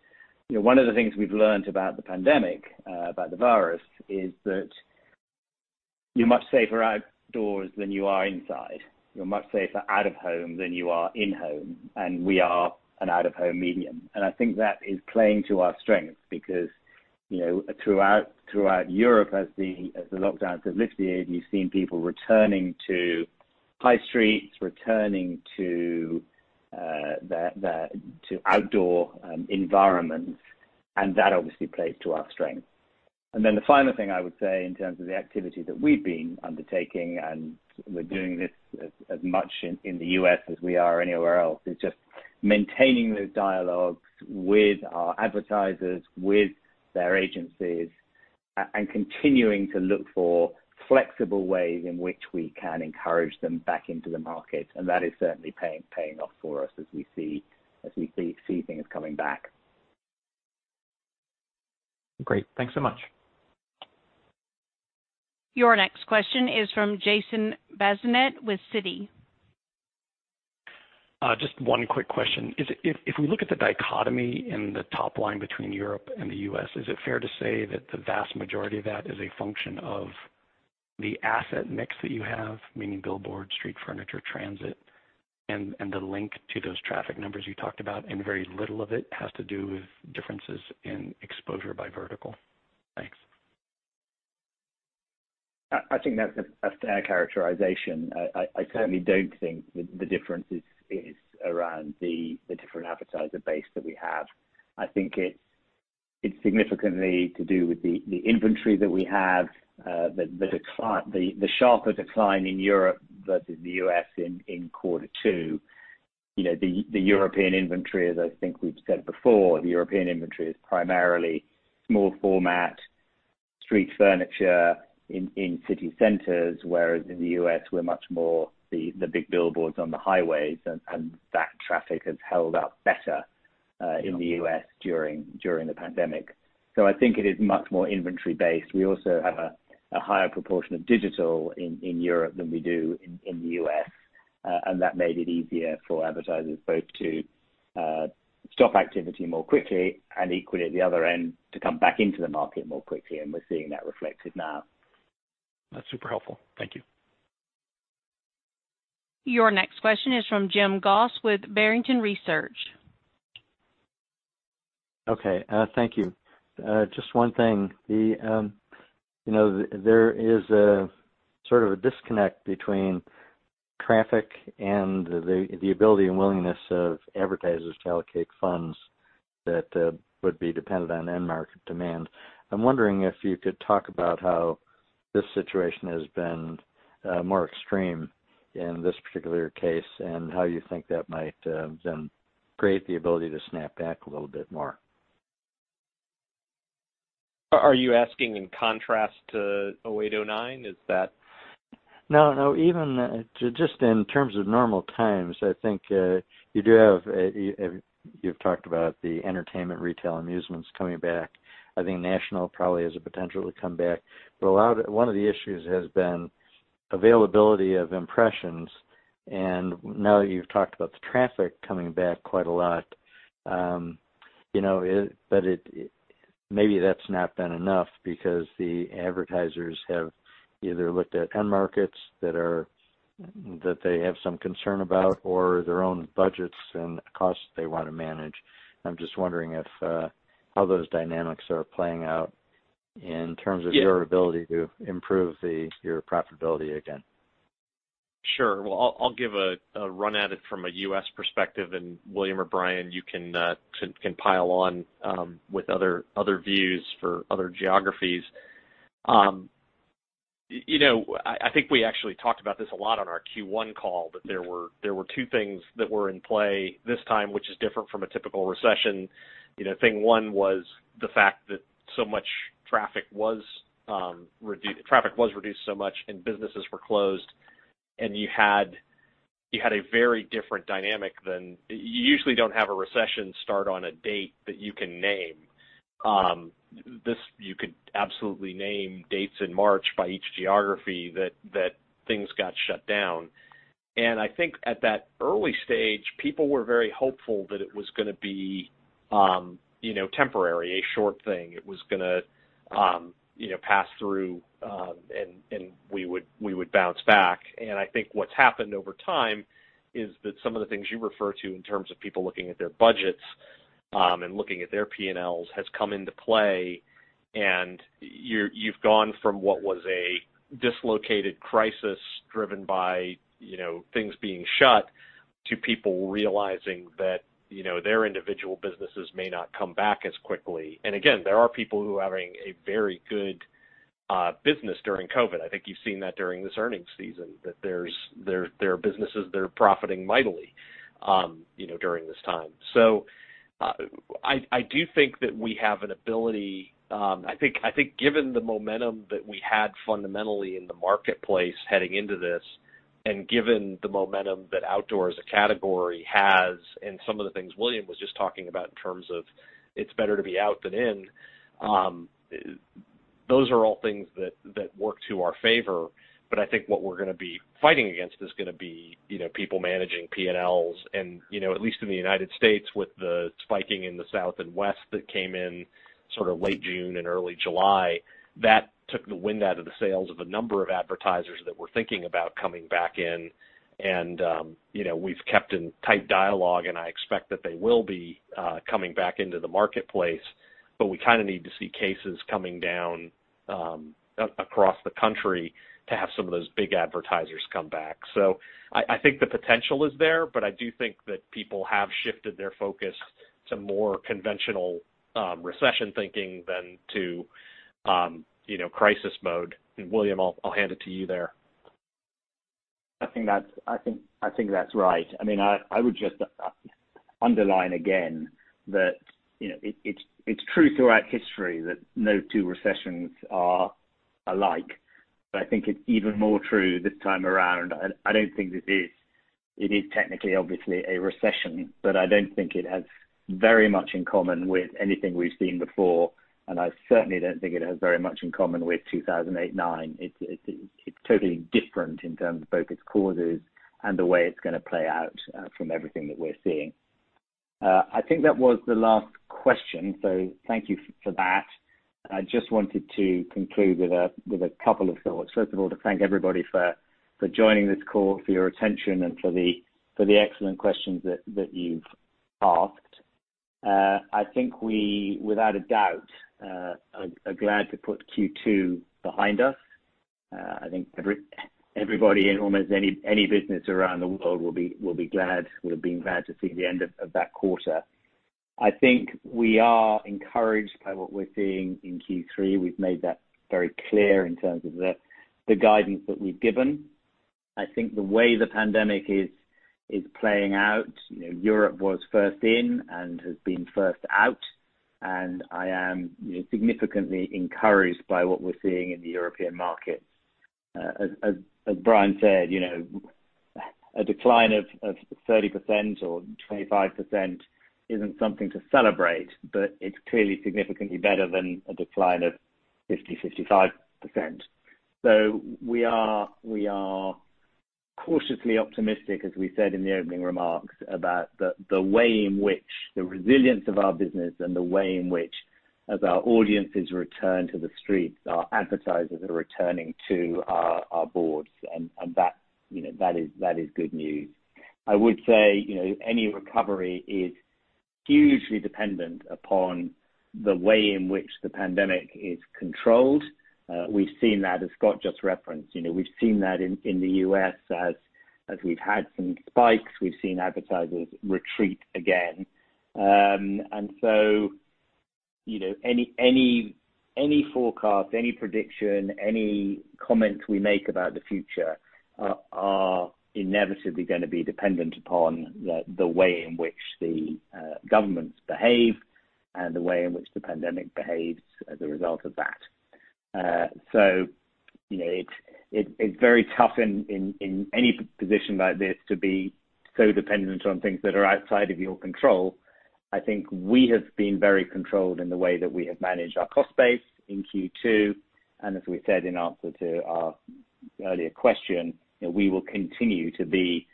one of the things we've learned about the pandemic, about the virus, is that you're much safer outdoors than you are inside. You're much safer out-of-home than you are in-home, and we are an out-of-home medium. I think that is playing to our strength, because, throughout Europe, as the lockdowns have lifted, you've seen people returning to high streets, returning to outdoor environments, and that obviously plays to our strength. Then the final thing I would say in terms of the activity that we've been undertaking, and we're doing this as much in the U.S. as we are anywhere else, is just maintaining those dialogues with our advertisers, with their agencies, and continuing to look for flexible ways in which we can encourage them back into the market. That is certainly paying off for us as we see things coming back.
Great. Thanks so much.
Your next question is from Jason Bazinet with Citi.
Just one quick question. If we look at the dichotomy in the top line between Europe and the U.S., is it fair to say that the vast majority of that is a function of the asset mix that you have, meaning billboard, street furniture, transit, and the link to those traffic numbers you talked about, and very little of it has to do with differences in exposure by vertical? Thanks.
I think that's a fair characterization. I certainly don't think the difference is around the different advertiser base that we have. I think it's significantly to do with the inventory that we have, the sharper decline in Europe versus the U.S. in quarter two. The European inventory, as I think we've said before, the European inventory is primarily small format, street furniture in city centers, whereas in the U.S., we're much more the big billboards on the highways, and that traffic has held up better in the U.S. during the pandemic. I think it is much more inventory based. We also have a higher proportion of digital in Europe than we do in the U.S., and that made it easier for advertisers both to stop activity more quickly and equally at the other end, to come back into the market more quickly, and we're seeing that reflected now.
That's super helpful. Thank you.
Your next question is from Jim Goss with Barrington Research.
Okay. Thank you. Just one thing. There is a sort of a disconnect between traffic and the ability and willingness of advertisers to allocate funds that would be dependent on end market demand. I'm wondering if you could talk about how this situation has been more extreme in this particular case, and how you think that might then create the ability to snap back a little bit more.
Are you asking in contrast to 2008, 2009?
No. Even just in terms of normal times, I think, you've talked about the entertainment, retail, amusements coming back. I think national probably has a potential to come back. One of the issues has been availability of impressions, and now that you've talked about the traffic coming back quite a lot, maybe that's not been enough because the advertisers have either looked at end markets that they have some concern about or their own budgets and costs they want to manage. I'm just wondering how those dynamics are playing out in terms of.
Yeah
your ability to improve your profitability again.
Sure. Well, I'll give a run at it from a U.S. perspective, and William or Brian, you can pile on with other views for other geographies. I think we actually talked about this a lot on our Q1 call, but there were two things that were in play this time, which is different from a typical recession. Thing one was the fact that traffic was reduced so much and businesses were closed, and you had a very different dynamic than You usually don't have a recession start on a date that you can name. You could absolutely name dates in March by each geography that things got shut down. I think at that early stage, people were very hopeful that it was going to be temporary, a short thing, it was going to pass through, and we would bounce back. I think what's happened over time is that some of the things you refer to in terms of people looking at their budgets, and looking at their P&Ls, has come into play, and you've gone from what was a dislocated crisis driven by things being shut, to people realizing that their individual businesses may not come back as quickly. Again, there are people who are having a very good business during COVID-19. I think you've seen that during this earnings season, that there are businesses that are profiting mightily during this time. I do think that given the momentum that we had fundamentally in the marketplace heading into this, and given the momentum that outdoor as a category has, and some of the things William was just talking about in terms of it's better to be out than in, those are all things that work to our favor. I think what we're going to be fighting against is going to be people managing P&Ls and, at least in the United States, with the spiking in the South and West that came in late June and early July, that took the wind out of the sails of a number of advertisers that were thinking about coming back in, and we've kept in tight dialogue, and I expect that they will be coming back into the marketplace, but we kind of need to see cases coming down across the country to have some of those big advertisers come back. I think the potential is there, but I do think that people have shifted their focus to more conventional recession thinking than to crisis mode. William, I'll hand it to you there.
I think that's right. I would just underline again that it's true throughout history that no two recessions are alike, but I think it's even more true this time around. I don't think It is technically, obviously, a recession, but I don't think it has very much in common with anything we've seen before, and I certainly don't think it has very much in common with 2008 and 2009. It's totally different in terms of both its causes and the way it's going to play out, from everything that we're seeing. I think that was the last question. Thank you for that. I just wanted to conclude with a couple of thoughts. First of all, to thank everybody for joining this call, for your attention, and for the excellent questions that you've asked. I think we, without a doubt, are glad to put Q2 behind us. I think everybody in almost any business around the world will have been glad to see the end of that quarter. I think we are encouraged by what we're seeing in Q3. We've made that very clear in terms of the guidance that we've given. I think the way the pandemic is playing out, Europe was first in and has been first out. I am significantly encouraged by what we're seeing in the European market. As Brian said, a decline of 30% or 25% isn't something to celebrate, it's clearly significantly better than a decline of 50%, 55%. We are cautiously optimistic, as we said in the opening remarks, about the way in which the resilience of our business and the way in which, as our audiences return to the streets, our advertisers are returning to our boards, that is good news. I would say any recovery is hugely dependent upon the way in which the pandemic is controlled. We've seen that, as Scott just referenced. We've seen that in the U.S. as we've had some spikes, we've seen advertisers retreat again. Any forecast, any prediction, any comments we make about the future are inevitably going to be dependent upon the way in which the governments behave and the way in which the pandemic behaves as a result of that. It's very tough in any position like this to be so dependent on things that are outside of your control. I think we have been very controlled in the way that we have managed our cost base in Q2, and as we said in answer to our earlier question, we will continue to be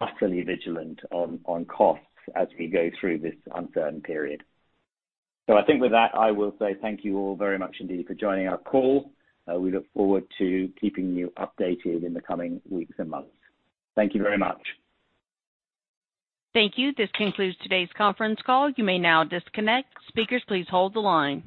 utterly vigilant on costs as we go through this uncertain period. I think with that, I will say thank you all very much indeed for joining our call. We look forward to keeping you updated in the coming weeks and months. Thank you very much.
Thank you. This concludes today's conference call. You may now disconnect. Speakers, please hold the line.